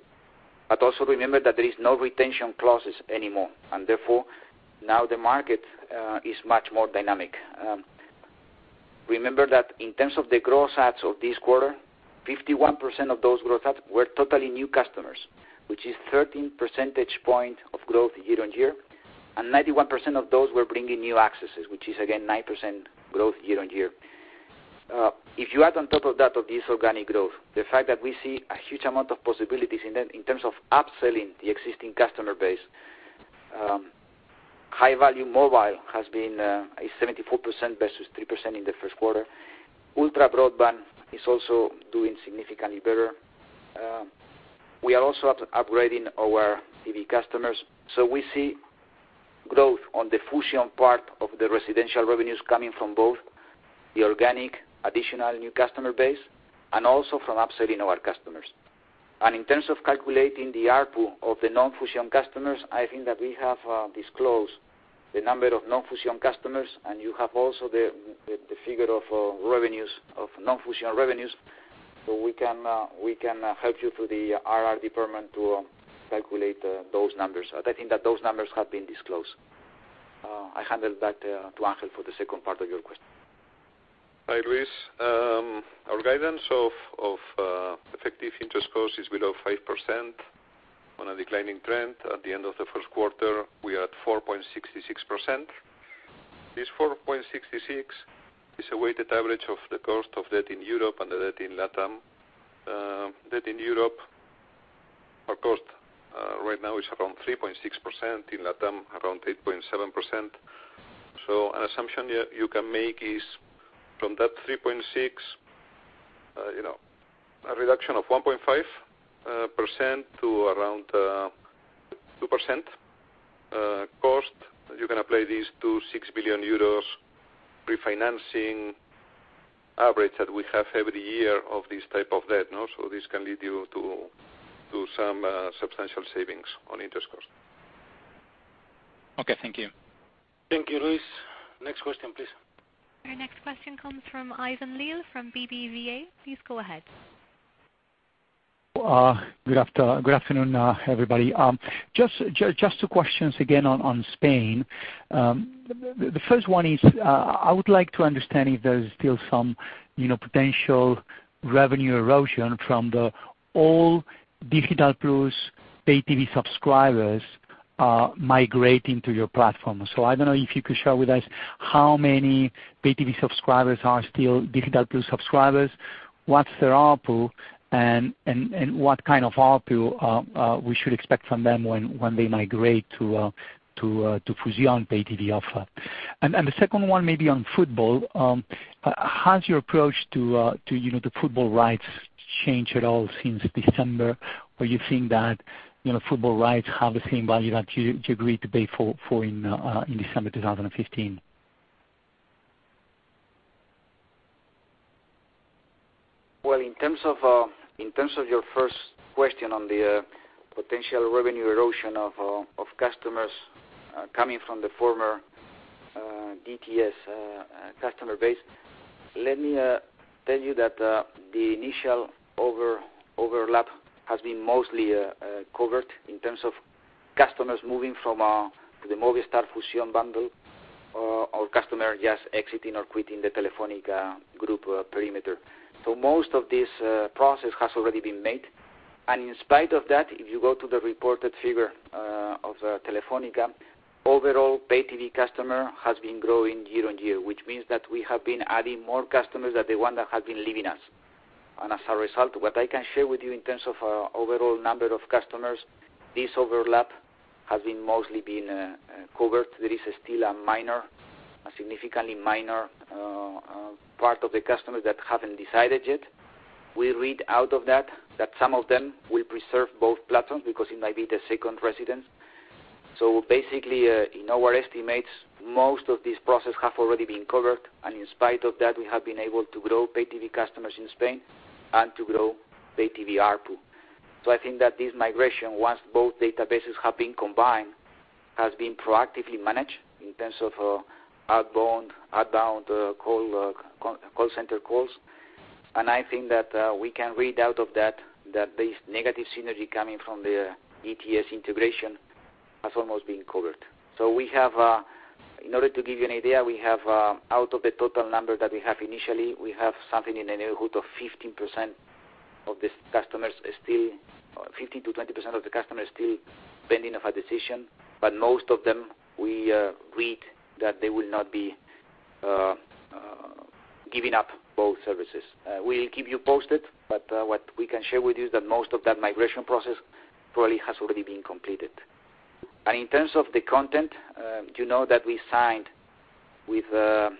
Also remember that there is no retention clauses anymore. Therefore, now the market is much more dynamic. Remember that in terms of the gross adds of this quarter, 51% of those gross adds were totally new customers, which is 13 percentage points of growth year-over-year, 91% of those were bringing new accesses, which is again 9% growth year-over-year. If you add on top of that, of this organic growth, the fact that we see a huge amount of possibilities in terms of upselling the existing customer base. High-value mobile has been a 74% versus 3% in the first quarter. Ultra broadband is also doing significantly better. We are also upgrading our TV customers. We see growth on the Fusión part of the residential revenues coming from both the organic additional new customer base and also from upselling our customers. In terms of calculating the ARPU of the non-Fusión customers, I think that we have disclosed the number of non-Fusión customers, you have also the figure of non-Fusión revenues. We can help you through the IR department to calculate those numbers. I think that those numbers have been disclosed. I hand it back to Ángel for the second part of your question. Hi, Luis. Our guidance of effective interest cost is below 5% on a declining trend. At the end of the first quarter, we are at 4.66%. This 4.66% is a weighted average of the cost of debt in Europe and the debt in LATAM. Debt in Europe, our cost right now is around 3.6%, in LATAM, around 8.7%. An assumption you can make is from that 3.6%, a reduction of 1.5% to around 2% cost. You can apply this to 6 billion euros refinancing average that we have every year of this type of debt. This can lead you to some substantial savings on interest cost. Okay, thank you. Thank you, Luis. Next question, please. Our next question comes from Iván Leal from BBVA. Please go ahead. Good afternoon, everybody. Just two questions again on Spain. The first one is, I would like to understand if there's still some potential revenue erosion from the old Digital+ pay TV subscribers migrating to your platform. I don't know if you could share with us how many pay TV subscribers are still Digital+ subscribers, what's their ARPU, and what kind of ARPU we should expect from them when they migrate to Fusión pay TV offer. The second one may be on football. Has your approach to the football rights changed at all since December, or you think that football rights have the same value that you agreed to pay for in December 2015? Well, in terms of your first question on the potential revenue erosion of customers coming from the former DTS customer base, let me tell you that the initial overlap has been mostly covered in terms of customers moving from the Movistar Fusión bundle or customer just exiting or quitting the Telefónica group perimeter. Most of this process has already been made. In spite of that, if you go to the reported figure of Telefónica, overall pay TV customer has been growing year-over-year, which means that we have been adding more customers than the one that have been leaving us. As a result, what I can share with you in terms of overall number of customers, this overlap has been mostly covered. There is still a significantly minor part of the customers that haven't decided yet. We read out of that some of them will preserve both platforms because it might be the second residence. Basically, in our estimates, most of this process have already been covered, and in spite of that, we have been able to grow pay TV customers in Spain and to grow pay TV ARPU. I think that this migration, once both databases have been combined, has been proactively managed in terms of outbound call center calls. I think that we can read out of that this negative synergy coming from the DTS integration has almost been covered. In order to give you an idea, out of the total number that we have initially, we have something in the neighborhood of 15% of the customers still 15%-20% of the customers still pending of a decision. Most of them, we read that they will not be giving up both services. We'll keep you posted, but what we can share with you is that most of that migration process probably has already been completed. In terms of the content, you know that we signed with Mediapro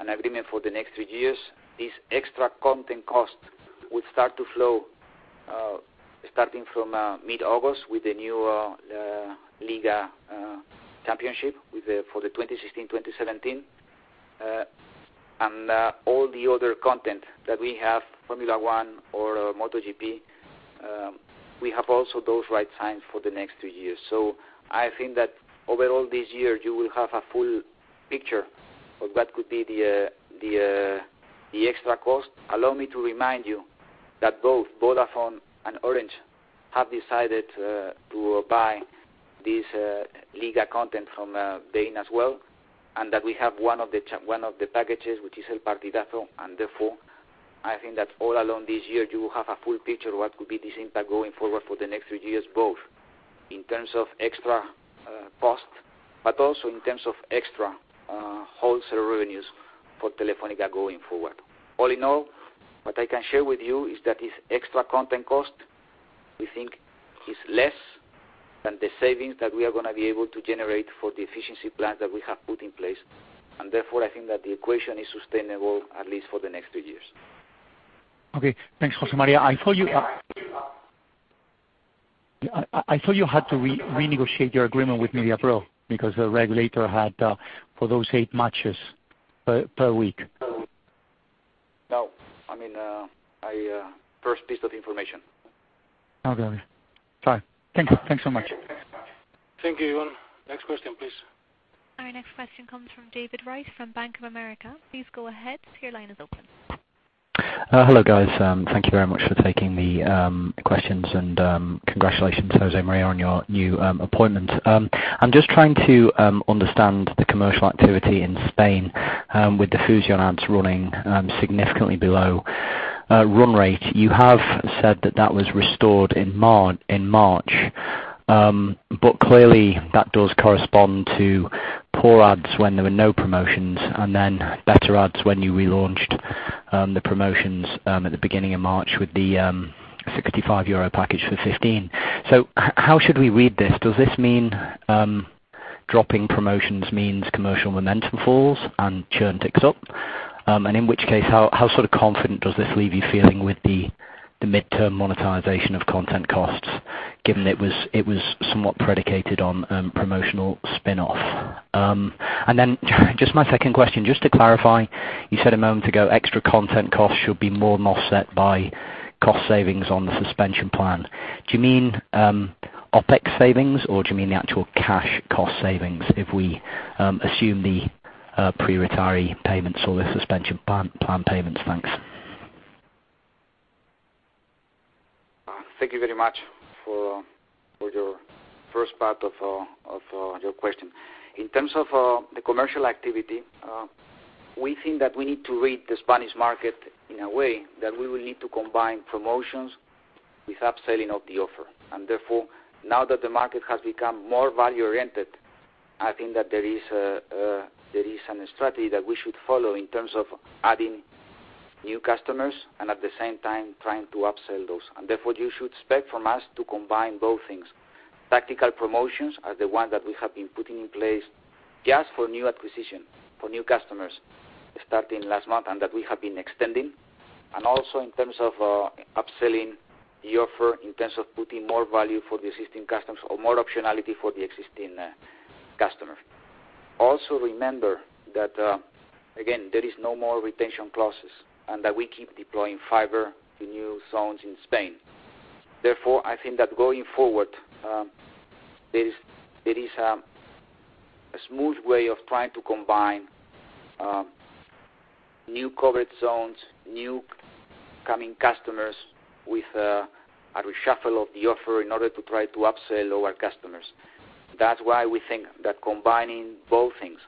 an agreement for the next three years. This extra content cost will start to flow starting from mid-August with the new Liga championship for the 2016-2017. All the other content that we have, Formula One or MotoGP, we have also those right signed for the next two years. I think that overall this year, you will have a full picture of what could be the extra cost. Allow me to remind you that both Vodafone and Orange have decided to buy this Liga content from BeIN as well, and that we have one of the packages, which is El Partidazo, and therefore, I think that all along this year, you will have a full picture what could be this impact going forward for the next three years, both in terms of extra cost, but also in terms of extra wholesale revenues for Telefónica going forward. All in all, what I can share with you is that this extra content cost, we think is less than the savings that we are going to be able to generate for the efficiency plan that we have put in place. Therefore, I think that the equation is sustainable at least for the next two years. Okay. Thanks, José María. I thought you had to renegotiate your agreement with Mediapro because the regulator had for those eight matches per week. No. First piece of information. Okay. Thank you so much. Thank you. Next question, please. Our next question comes from David Wright from Bank of America. Please go ahead. Your line is open. Hello, guys. Thank you very much for taking the questions and congratulations, José María, on your new appointment. I am just trying to understand the commercial activity in Spain with the Fusión ads running significantly below run rate. You have said that that was restored in March. Clearly that does correspond to poor ads when there were no promotions, and then better ads when you relaunched the promotions at the beginning of March with the 65 euro package for 15. How should we read this? Does this mean dropping promotions means commercial momentum falls and churn ticks up? In which case, how confident does this leave you feeling with the midterm monetization of content costs, given it was somewhat predicated on promotional spinoff? Just my second question, just to clarify, you said a moment ago, extra content costs should be more than offset by cost savings on the suspension plan. Do you mean OpEx savings or do you mean the actual cash cost savings, if we assume the pre-retiree payments or the suspension plan payments? Thanks. Thank you very much for your first part of your question. In terms of the commercial activity, we think that we need to read the Spanish market in a way that we will need to combine promotions with upselling of the offer. Therefore, now that the market has become more value-oriented, I think that there is a strategy that we should follow in terms of adding new customers and at the same time trying to upsell those. Therefore, you should expect from us to combine both things. Tactical promotions are the ones that we have been putting in place just for new acquisition, for new customers, starting last month, and that we have been extending. Also in terms of upselling the offer, in terms of putting more value for the existing customers or more optionality for the existing customer. Also remember that, again, there is no more retention clauses, and that we keep deploying fiber to new zones in Spain. I think that going forward, there is a smooth way of trying to combine new covered zones, new coming customers, with a reshuffle of the offer in order to try to upsell our customers. That's why we think that combining both things,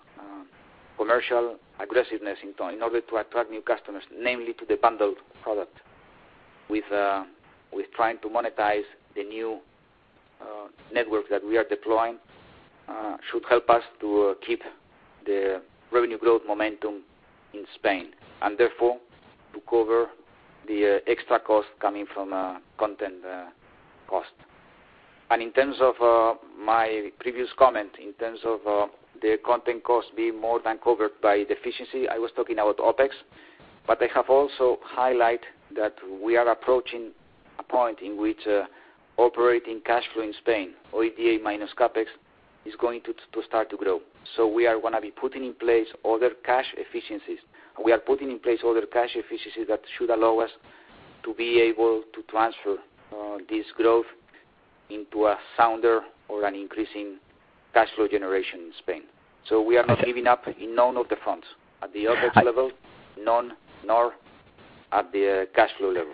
commercial aggressiveness in order to attract new customers, namely to the bundled product, with trying to monetize the new network that we are deploying, should help us to keep the revenue growth momentum in Spain. Therefore, to cover the extra cost coming from content cost. In terms of my previous comment, in terms of the content cost being more than covered by the efficiency, I was talking about OpEx. I have also highlight that we are approaching a point in which operating cash flow in Spain, OIBDA minus CapEx, is going to start to grow. We are going to be putting in place other cash efficiencies. We are putting in place other cash efficiencies that should allow us to be able to transfer this growth into a sounder or an increasing cash flow generation in Spain. We are not giving up in none of the fronts, at the OpEx level, none, nor at the cash flow level.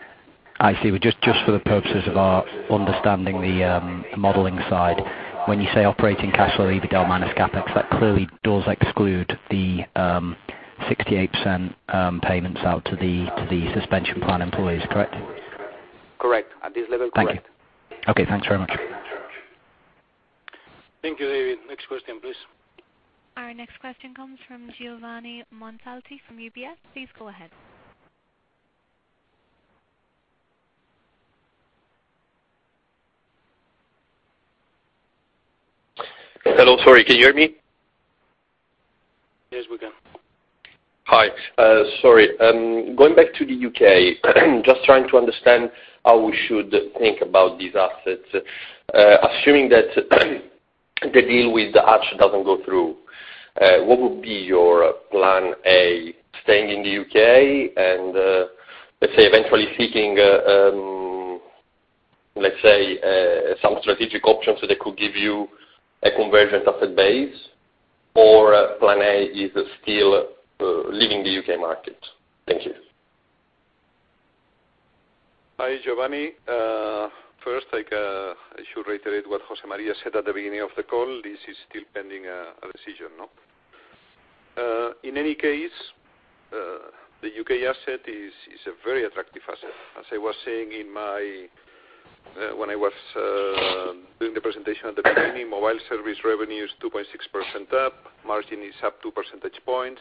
I see. Just for the purposes of our understanding the modeling side, when you say operating cash flow, EBITDA minus CapEx, that clearly does exclude the 68% payments out to the suspension plan employees, correct? Correct. At this level, correct. Thank you. Okay. Thanks very much. Thank you, David. Next question, please. Our next question comes from Giovanni Montalti from UBS. Please go ahead. Hello. Sorry. Can you hear me? Yes, we can. Hi. Sorry. Going back to the U.K., just trying to understand how we should think about these assets. Assuming that the deal with Hutchison doesn't go through, what would be your plan A, staying in the U.K. and, let's say, eventually seeking some strategic options that could give you a convergent asset base? Or plan A is still leaving the U.K. market? Thank you. Hi, Giovanni. First, I should reiterate what José María said at the beginning of the call. This is still pending a decision. In any case, the U.K. asset is a very attractive asset. As I was saying when I was doing the presentation at the beginning, mobile service revenue is 2.6% up, margin is up two percentage points,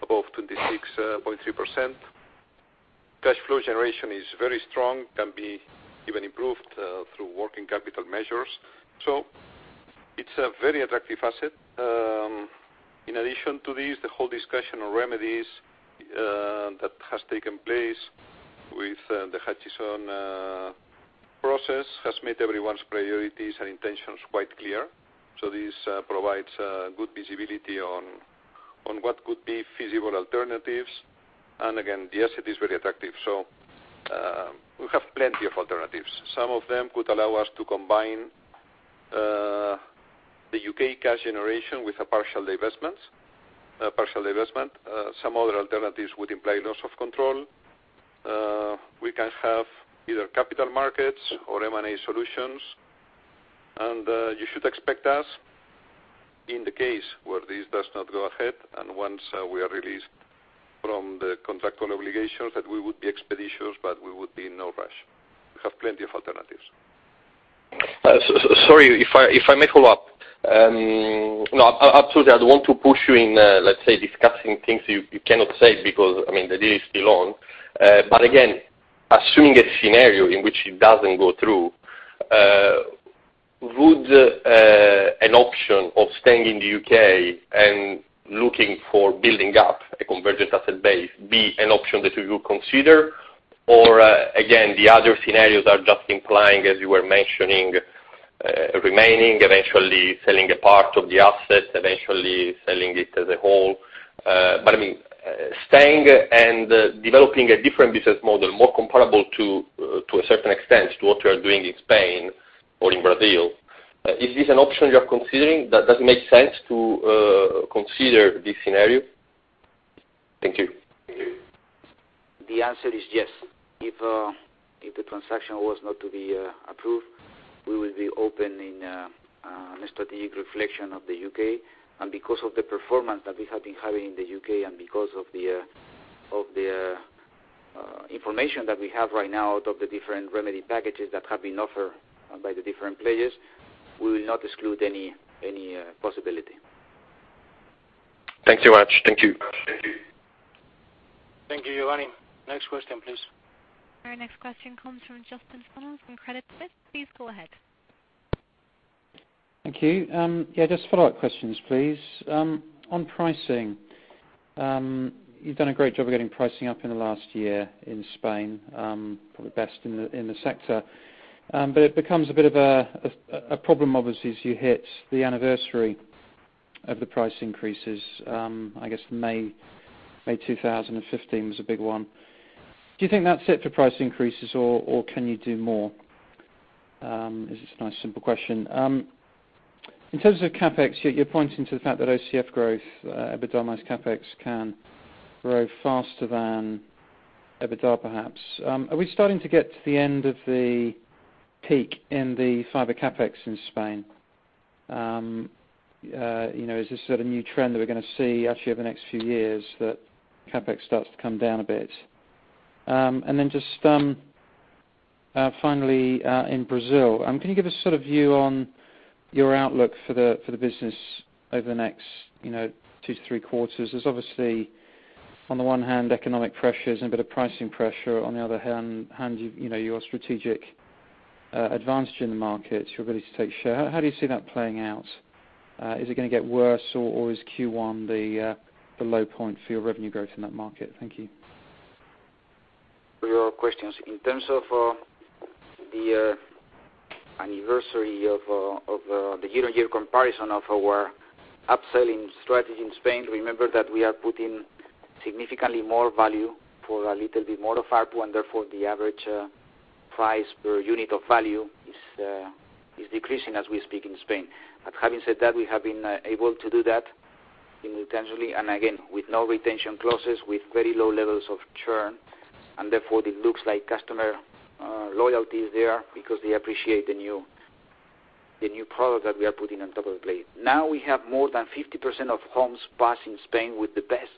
above 26.3%. Cash flow generation is very strong, can be even improved through working capital measures. It's a very attractive asset. In addition to this, the whole discussion on remedies that has taken place with the Hutchison process has made everyone's priorities and intentions quite clear. This provides good visibility on what could be feasible alternatives. Again, the asset is very attractive. We have plenty of alternatives. Some of them could allow us to combine the U.K. cash generation with a partial divestment. Some other alternatives would imply loss of control. We can have either capital markets or M&A solutions. You should expect us, in the case where this does not go ahead and once we are released from the contractual obligations, that we would be expeditious, but we would be in no rush. We have plenty of alternatives. Sorry, if I may follow up. Absolutely, I don't want to push you in, let's say, discussing things you cannot say because the deal is still on. Again, assuming a scenario in which it doesn't go through, would an option of staying in the U.K. and looking for building up a convergent asset base be an option that you would consider? Again, the other scenarios are just implying, as you were mentioning Remaining, eventually selling a part of the asset, eventually selling it as a whole. Staying and developing a different business model, more comparable to a certain extent to what you are doing in Spain or in Brazil. Is this an option you are considering? Does it make sense to consider this scenario? Thank you. The answer is yes. If the transaction was not to be approved, we will be open in a strategic reflection of the U.K. Because of the performance that we have been having in the U.K. and because of the information that we have right now out of the different remedy packages that have been offered by the different players, we will not exclude any possibility. Thanks so much. Thank you. Thank you. Thank you, Giovanni. Next question, please. Our next question comes from Justin Funnell from Credit Suisse. Please go ahead. Just follow-up questions, please. On pricing, you've done a great job of getting pricing up in the last year in Spain, probably best in the sector. It becomes a bit of a problem obviously as you hit the anniversary of the price increases. I guess May 2015 was a big one. Do you think that's it for price increases or can you do more? It's just a nice, simple question. In terms of CapEx, you're pointing to the fact that OCF growth, EBITDA minus CapEx, can grow faster than EBITDA perhaps. Are we starting to get to the end of the peak in the fiber CapEx in Spain? Is this a new trend that we're going to see actually over the next few years that CapEx starts to come down a bit? Just finally, in Brazil, can you give a view on your outlook for the business over the next two to three quarters? There's obviously, on the one hand, economic pressures and a bit of pricing pressure. On the other hand, your strategic advantage in the market, your ability to take share. How do you see that playing out? Is it going to get worse, or is Q1 the low point for your revenue growth in that market? Thank you. For your questions. In terms of the year-on-year comparison of our upselling strategy in Spain, remember that we are putting significantly more value for a little bit more of ARPU, therefore the average price per unit of value is decreasing as we speak in Spain. Having said that, we have been able to do that intentionally, with no retention clauses, with very low levels of churn, therefore it looks like customer loyalty is there because they appreciate the new product that we are putting on top of the plate. We have more than 50% of homes passed in Spain with the best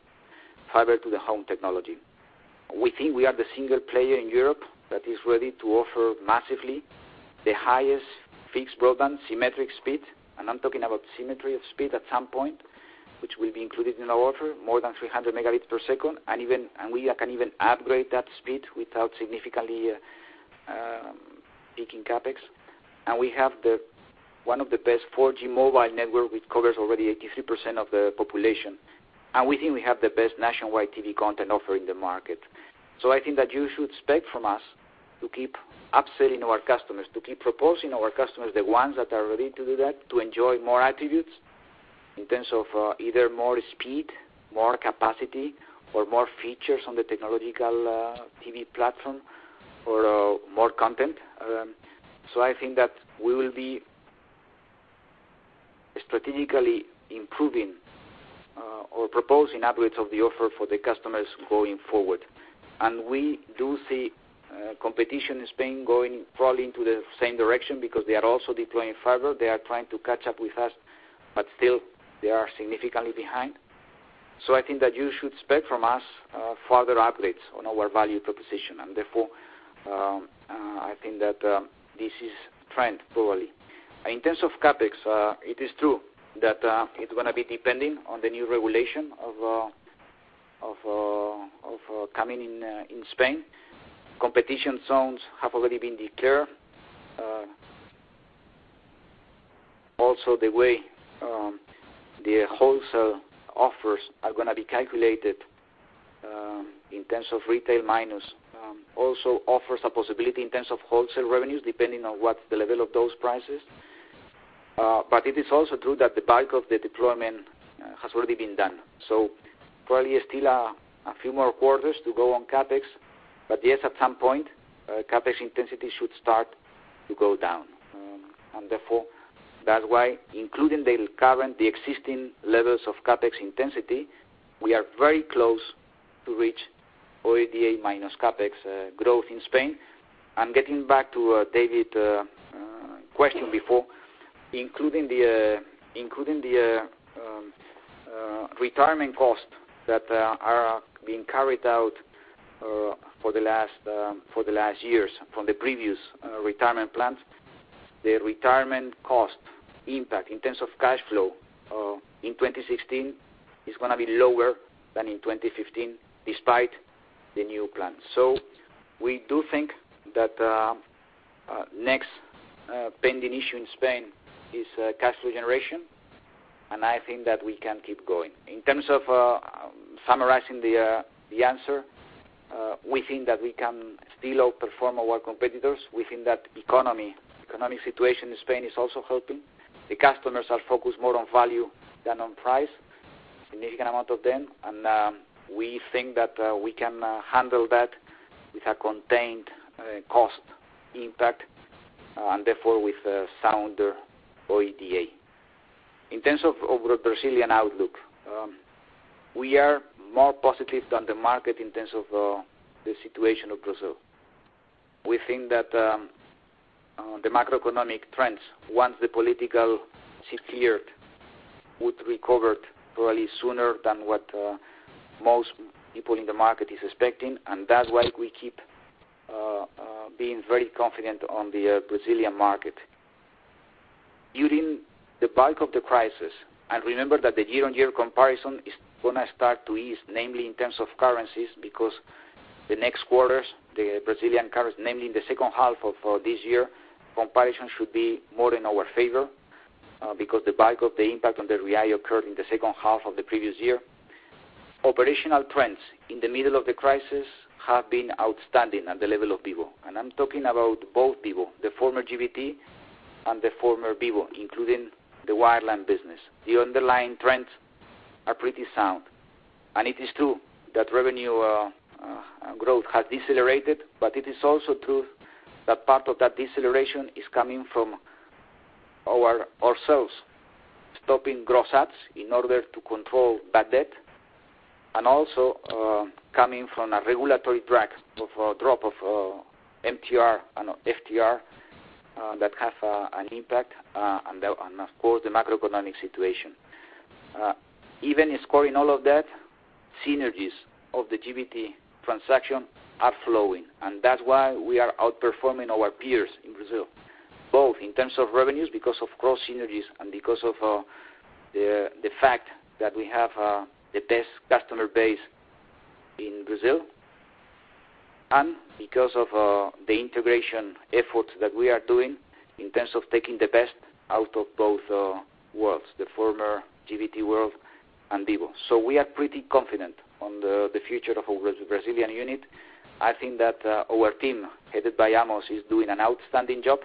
Fiber to the Home technology. We think we are the single player in Europe that is ready to offer massively the highest fixed broadband symmetric speed. I'm talking about symmetry of speed at some point, which will be included in our offer, more than 300 Mbps. We can even upgrade that speed without significantly peaking CapEx. We have one of the best 4G mobile network, which covers already 83% of the population. We think we have the best nationwide TV content offer in the market. I think that you should expect from us to keep upselling our customers, to keep proposing our customers, the ones that are ready to do that, to enjoy more attributes in terms of either more speed, more capacity, or more features on the technological TV platform or more content. I think that we will be strategically improving or proposing upgrades of the offer for the customers going forward. We do see competition in Spain going probably into the same direction because they are also deploying fiber. They are trying to catch up with us, but still they are significantly behind. I think that you should expect from us further upgrades on our value proposition. Therefore, I think that this is a trend globally. In terms of CapEx, it is true that it's going to be depending on the new regulation coming in Spain. Competition zones have already been declared. The way the wholesale offers are going to be calculated in terms of retail minus also offers a possibility in terms of wholesale revenues, depending on what the level of those prices. It is also true that the bulk of the deployment has already been done. Probably still a few more quarters to go on CapEx. Yes, at some point, CapEx intensity should start to go down. Therefore, that's why including the current, the existing levels of CapEx intensity, we are very close to reach OIBDA minus CapEx growth in Spain. Getting back to David question before, including the retirement cost that are being carried out for the last years from the previous retirement plans. The retirement cost impact in terms of cash flow in 2016 is going to be lower than in 2015, despite the new plan. We do think that next pending issue in Spain is cash flow generation. I think that we can keep going. In terms of summarizing the answer, we think that we can still outperform our competitors. We think that the economic situation in Spain is also helping. The customers are focused more on value than on price, a significant amount of them. We think that we can handle that with a contained cost impact, and therefore with a sounder OIBDA. In terms of the Brazilian outlook, we are more positive than the market in terms of the situation of Brazil. We think that the macroeconomic trends, once the political is cleared, would recover probably sooner than what most people in the market are expecting, and that's why we keep being very confident on the Brazilian market. During the bulk of the crisis, remember that the year-on-year comparison is going to start to ease, namely in terms of currencies, because the next quarters, the Brazilian currency, namely in the second half of this year, comparison should be more in our favor because the bulk of the impact on the real occurred in the second half of the previous year. Operational trends in the middle of the crisis have been outstanding at the level of Vivo. I'm talking about both Vivo, the former GVT and the former Vivo, including the wireline business. The underlying trends are pretty sound. It is true that revenue growth has decelerated, but it is also true that part of that deceleration is coming from ourselves stopping gross adds in order to control bad debt, also coming from a regulatory drop of MTR and FTR that have an impact and, of course, the macroeconomic situation. Even scoring all of that, synergies of the GVT transaction are flowing, that's why we are outperforming our peers in Brazil, both in terms of revenues because of cross synergies and because of the fact that we have the best customer base in Brazil. Because of the integration efforts that we are doing in terms of taking the best out of both worlds, the former GVT world and Vivo. We are pretty confident on the future of our Brazilian unit. I think that our team, headed by Amos, is doing an outstanding job,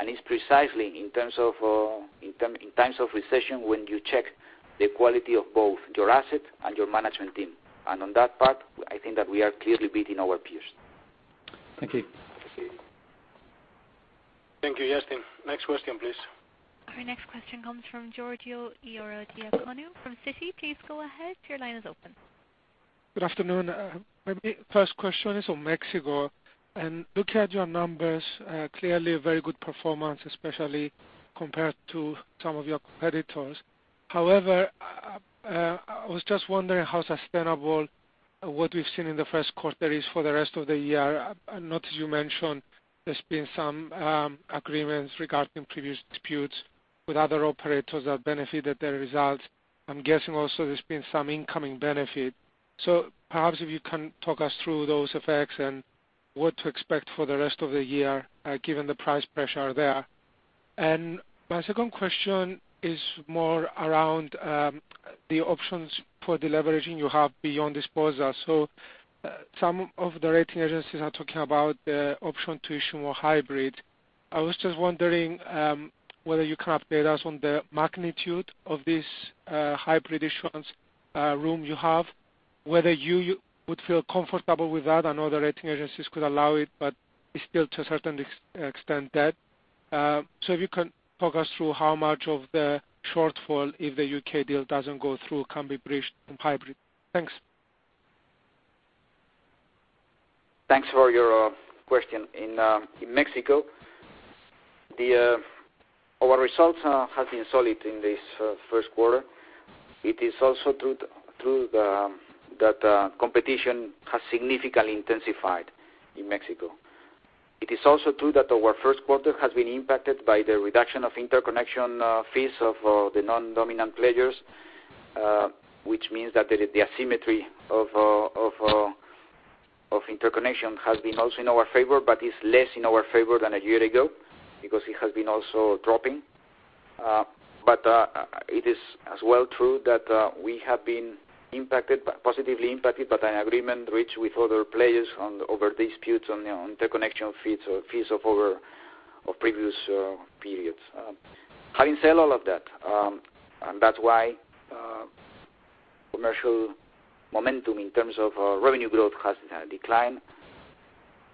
it's precisely in times of recession when you check the quality of both your asset and your management team. On that part, I think that we are clearly beating our peers. Thank you. Thank you. Thank you, Justin. Next question, please. Our next question comes from Georgios Ierodiaconou from Citi. Please go ahead. Your line is open. Good afternoon. My first question is on Mexico. Looking at your numbers, clearly a very good performance, especially compared to some of your competitors. However, I was just wondering how sustainable what we've seen in the first quarter is for the rest of the year. I notice you mentioned there's been some agreements regarding previous disputes with other operators that benefited the results. I'm guessing also there's been some incoming benefit. Perhaps if you can talk us through those effects and what to expect for the rest of the year, given the price pressure there. My second question is more around the options for deleveraging you have beyond disposal. Some of the rating agencies are talking about the option to issue more hybrid. I was just wondering whether you can update us on the magnitude of this hybrid issuance room you have, whether you would feel comfortable with that. I know the rating agencies could allow it, but it's still to a certain extent debt. If you can talk us through how much of the shortfall, if the U.K. deal doesn't go through, can be bridged in hybrid. Thanks. Thanks for your question. In Mexico, our results have been solid in this first quarter. It is also true that competition has significantly intensified in Mexico. It is also true that our first quarter has been impacted by the reduction of interconnection fees of the non-dominant players, which means that the asymmetry of interconnection has been also in our favor, but is less in our favor than a year ago because it has been also dropping. It is as well true that we have been positively impacted by an agreement reached with other players over disputes on the interconnection fees of our previous periods. Having said all of that's why commercial momentum in terms of revenue growth has declined.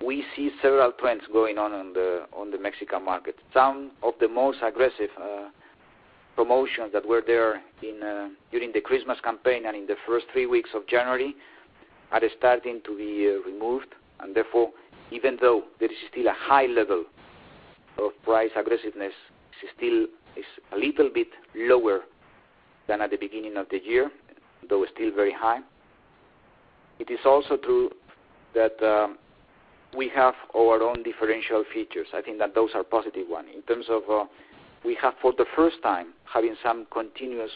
We see several trends going on the Mexican market. Some of the most aggressive promotions that were there during the Christmas campaign in the first three weeks of January are starting to be removed, therefore, even though there is still a high level of price aggressiveness, it still is a little bit lower than at the beginning of the year, though still very high. It is also true that we have our own differential features. I think that those are positive one in terms of we have for the first time having some continuous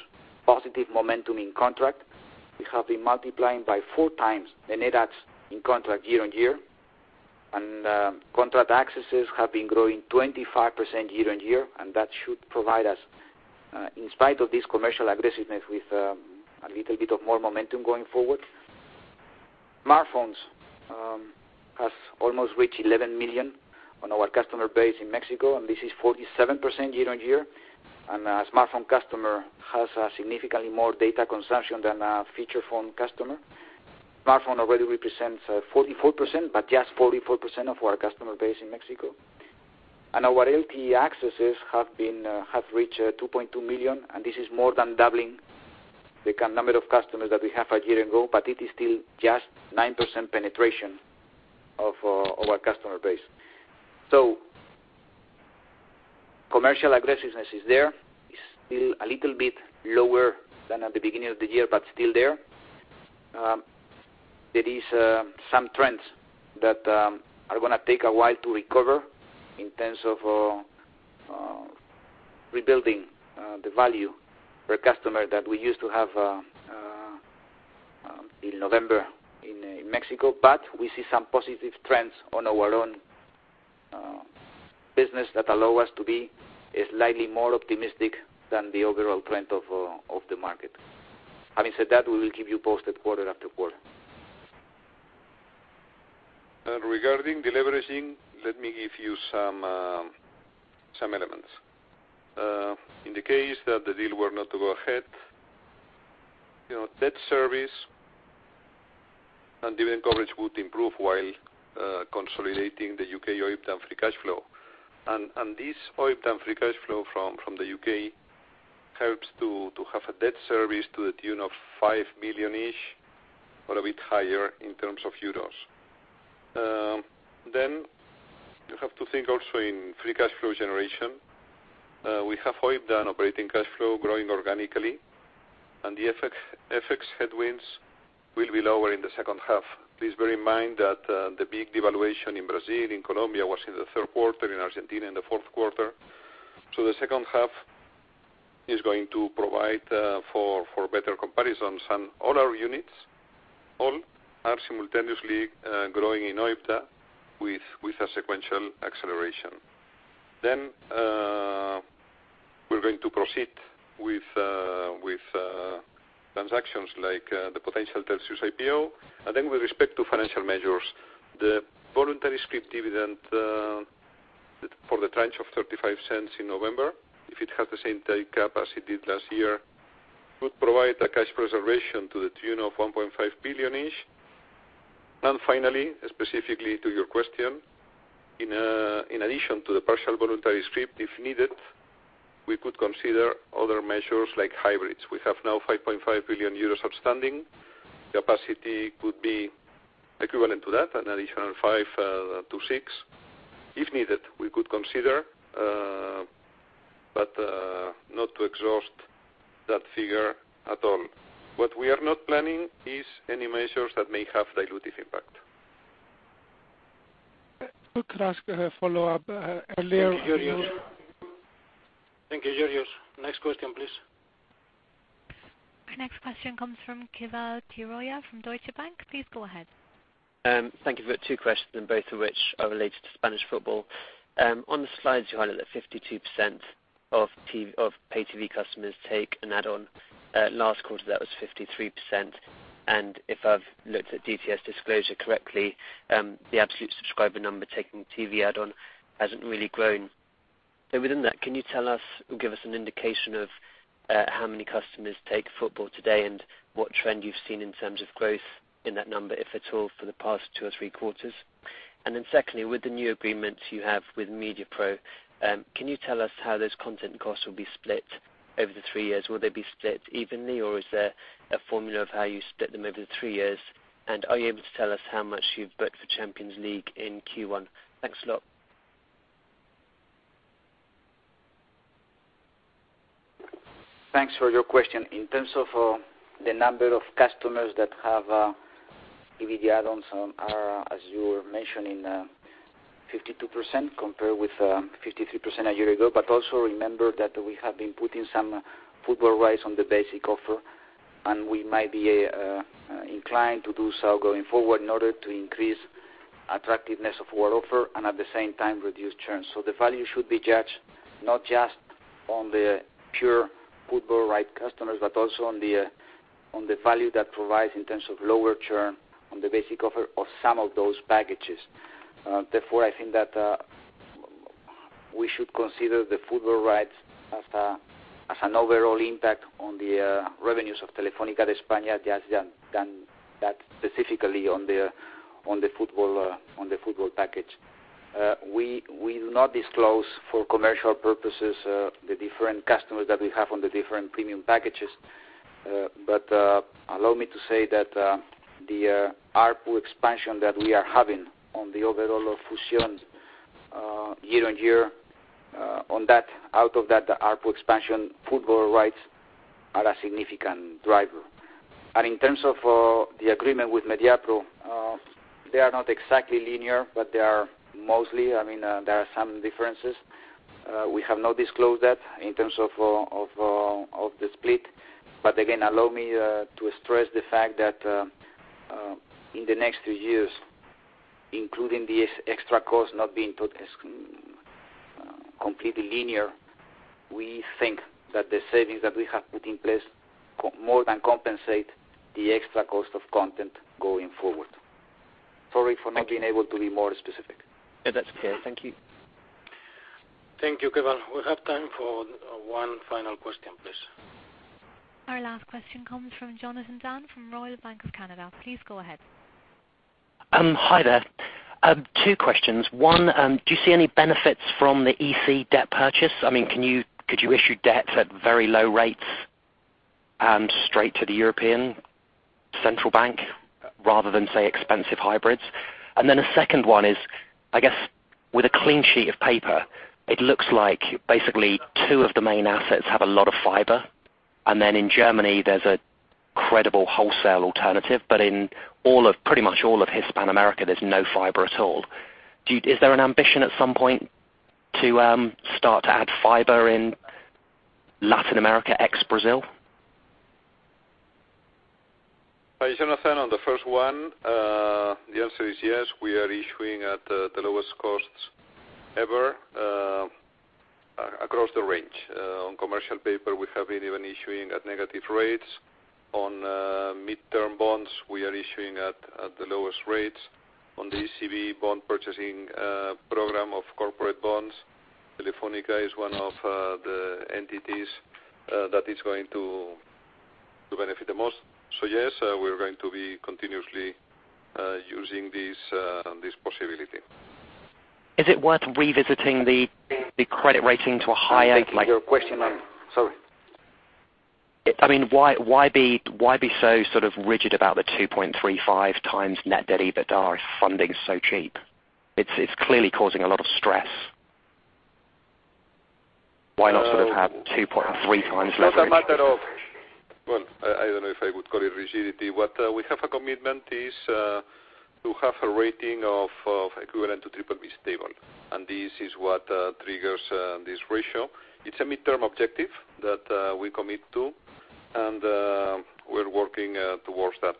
positive momentum in contract. We have been multiplying by 4x the net adds in contract year-on-year. Contract accesses have been growing 25% year-on-year, that should provide us, in spite of this commercial aggressiveness, with a little bit of more momentum going forward. Smartphones have almost reached 11 million on our customer base in Mexico, this is 47% year-over-year. A smartphone customer has significantly more data consumption than a feature phone customer. Smartphone already represents 44%, but just 44% of our customer base in Mexico. Our LTE accesses have reached 2.2 million, this is more than doubling the number of customers that we have a year ago, but it is still just 9% penetration of our customer base. Commercial aggressiveness is there. It's still a little bit lower than at the beginning of the year, but still there. There is some trends that are going to take a while to recover in terms of rebuilding the value per customer that we used to have in November in Mexico. We see some positive trends on our own business that allow us to be slightly more optimistic than the overall trend of the market. Having said that, we will keep you posted quarter-over-quarter. Regarding deleveraging, let me give you some elements. In the case that the deal were not to go ahead, debt service and dividend coverage would improve while consolidating the U.K. OIBDA free cash flow. This OIBDA free cash flow from the U.K. helps to have a debt service to the tune of 5 million-ish or a bit higher in terms of EUR. You have to think also in free cash flow generation. We have OIBDA and operating cash flow growing organically, the FX headwinds will be lower in the second half. Please bear in mind that the big devaluation in Brazil, in Colombia, was in the third quarter, in Argentina in the fourth quarter. The second half is going to provide for better comparisons. All our units, all are simultaneously growing in OIBDA with a sequential acceleration. We're going to proceed with transactions like the potential Telxius IPO. With respect to financial measures, the voluntary scrip dividend for the tranche of 0.35 in November, if it had the same take-up as it did last year, would provide a cash preservation to the tune of 1.5 billion-ish. Finally, specifically to your question, in addition to the partial voluntary scrip, if needed, we could consider other measures like hybrids. We have now 5.5 billion euros of standing capacity, could be equivalent to that, an additional 5 to 6. If needed, we could consider, but not to exhaust that figure at all. What we are not planning is any measures that may have dilutive impact. Could I ask a follow-up earlier? Thank you, Georgios. Next question, please. Our next question comes from Keval Khiroya from Deutsche Bank. Please go ahead. Thank you for that. Two questions, both of which are related to Spanish football. On the slides, you highlight that 52% of pay TV customers take an add-on. Last quarter, that was 53%. If I've looked at DTS disclosure correctly, the absolute subscriber number taking TV add-on hasn't really grown. Within that, can you tell us or give us an indication of how many customers take football today and what trend you've seen in terms of growth in that number, if at all, for the past two or three quarters? Secondly, with the new agreements you have with Mediapro, can you tell us how those content costs will be split over the three years? Will they be split evenly, or is there a formula of how you split them over the three years? Are you able to tell us how much you've booked for Champions League in Q1? Thanks a lot. Thanks for your question. In terms of the number of customers that have TV add-ons are, as you were mentioning, 52% compared with 53% a year ago. Also remember that we have been putting some football rights on the basic offer, and we might be inclined to do so going forward in order to increase attractiveness of our offer and at the same time reduce churn. The value should be judged not just on the pure football right customers, but also on the value that provides in terms of lower churn on the basic offer of some of those packages. Therefore, I think that we should consider the football rights as an overall impact on the revenues of Telefónica de España than that specifically on the football package. We do not disclose for commercial purposes the different customers that we have on the different premium packages. Allow me to say that the ARPU expansion that we are having on the overall of Fusiónes year-on-year, out of that ARPU expansion, football rights are a significant driver. In terms of the agreement with Mediapro, they are not exactly linear, but they are mostly. There are some differences. We have not disclosed that in terms of the split. Again, allow me to stress the fact that in the next three years, including the extra cost not being put as completely linear, we think that the savings that we have put in place more than compensate the extra cost of content going forward. Sorry for not being able to be more specific. That's okay. Thank you. Thank you, Keval. We have time for one final question, please. Our last question comes from Jonathan Dann from Royal Bank of Canada. Please go ahead. Hi there. Two questions. One, do you see any benefits from the EC debt purchase? Could you issue debt at very low rates straight to the European Central Bank rather than, say, expensive hybrids? A second one is, I guess, with a clean sheet of paper, it looks like basically two of the main assets have a lot of fiber. In Germany, there's a credible wholesale alternative, but in pretty much all of Hispanoamerica, there's no fiber at all. Is there an ambition at some point to start to add fiber in Latin America, ex-Brazil? Hi, Jonathan. On the first one, the answer is yes. We are issuing at the lowest costs ever, across the range. On commercial paper, we have been even issuing at negative rates. On midterm bonds, we are issuing at the lowest rates. On the ECB bond purchasing program of corporate bonds, Telefónica is one of the entities that is going to benefit the most. Yes, we're going to be continuously using this possibility. Is it worth revisiting the credit rating to a higher- I'm taking your question. Sorry. Why be so rigid about the 2.35x net debt/EBITDA if funding is so cheap? It's clearly causing a lot of stress. Why not have 2.3x leverage? Well, I don't know if I would call it rigidity. What we have a commitment is to have a rating of equivalent to BBB stable. This is what triggers this ratio. It's a midterm objective that we commit to. We're working towards that.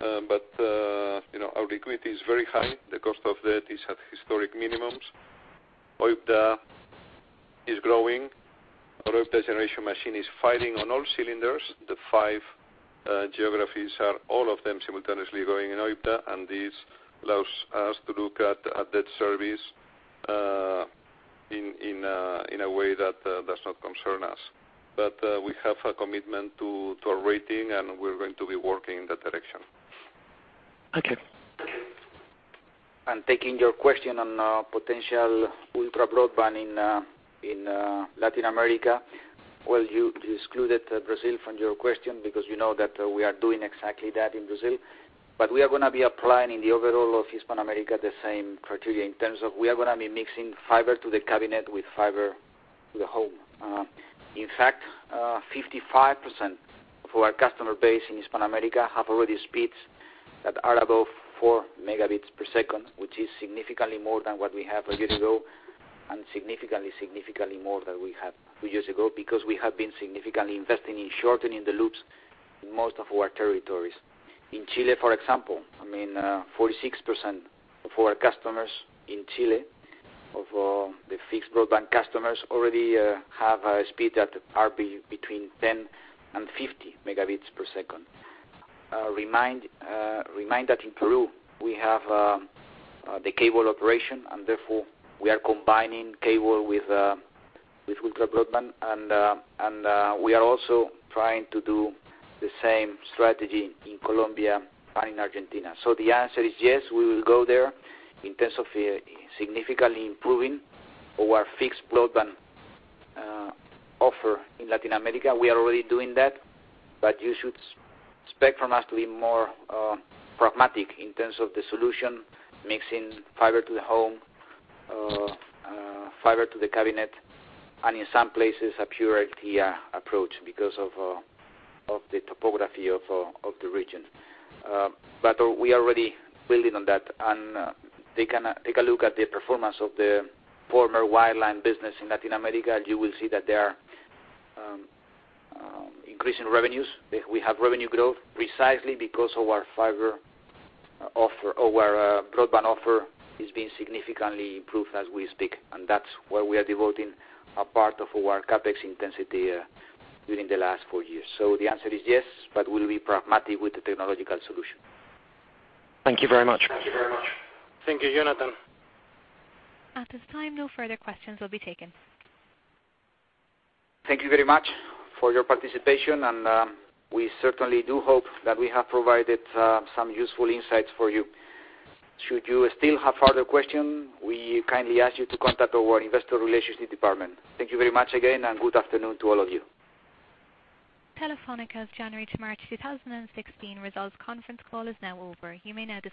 Our liquidity is very high. The cost of debt is at historic minimums. OIBDA is growing. Our OIBDA generation machine is firing on all cylinders. The five geographies are all of them simultaneously growing in OIBDA. This allows us to look at debt service in a way that does not concern us. We have a commitment to our rating. We're going to be working in that direction. Okay. Taking your question on potential ultra broadband in Latin America, well, you know that we are doing exactly that in Brazil. We are going to be applying in the overall of Hispanoamerica the same criteria in terms of we are going to be mixing Fiber to the Cabinet with Fiber to the Home. In fact, 55% of our customer base in Hispanoamerica have already speeds that are above 4Mbps, which is significantly more than what we had a year ago, and significantly more than we had two years ago, because we have been significantly investing in shortening the loops in most of our territories. In Chile, for example, 46% of our customers in Chile, of the fixed broadband customers already have a speed that are between 10 Mbps and 50 Mbps. Remind that in Peru, we have the cable operation, therefore we are combining cable with ultra broadband, we are also trying to do the same strategy in Colombia and in Argentina. The answer is yes, we will go there in terms of significantly improving our fixed broadband offer in Latin America. We are already doing that, you should expect from us to be more pragmatic in terms of the solution, mixing Fiber to the Home, Fiber to the Cabinet, and in some places, a pure LTE approach because of the topography of the region. We are already building on that, take a look at the performance of the former wireline business in Latin America. You will see that they are increasing revenues. We have revenue growth precisely because our fiber offer, our broadband offer is being significantly improved as we speak, that's where we are devoting a part of our CapEx intensity during the last four years. The answer is yes, we'll be pragmatic with the technological solution. Thank you very much. Thank you very much. Thank you, Jonathan. At this time, no further questions will be taken. Thank you very much for your participation. We certainly do hope that we have provided some useful insights for you. Should you still have further questions, we kindly ask you to contact our investor relationship department. Thank you very much again. Good afternoon to all of you. Telefónica's January to March 2016 results conference call is now over. You may now disconnect.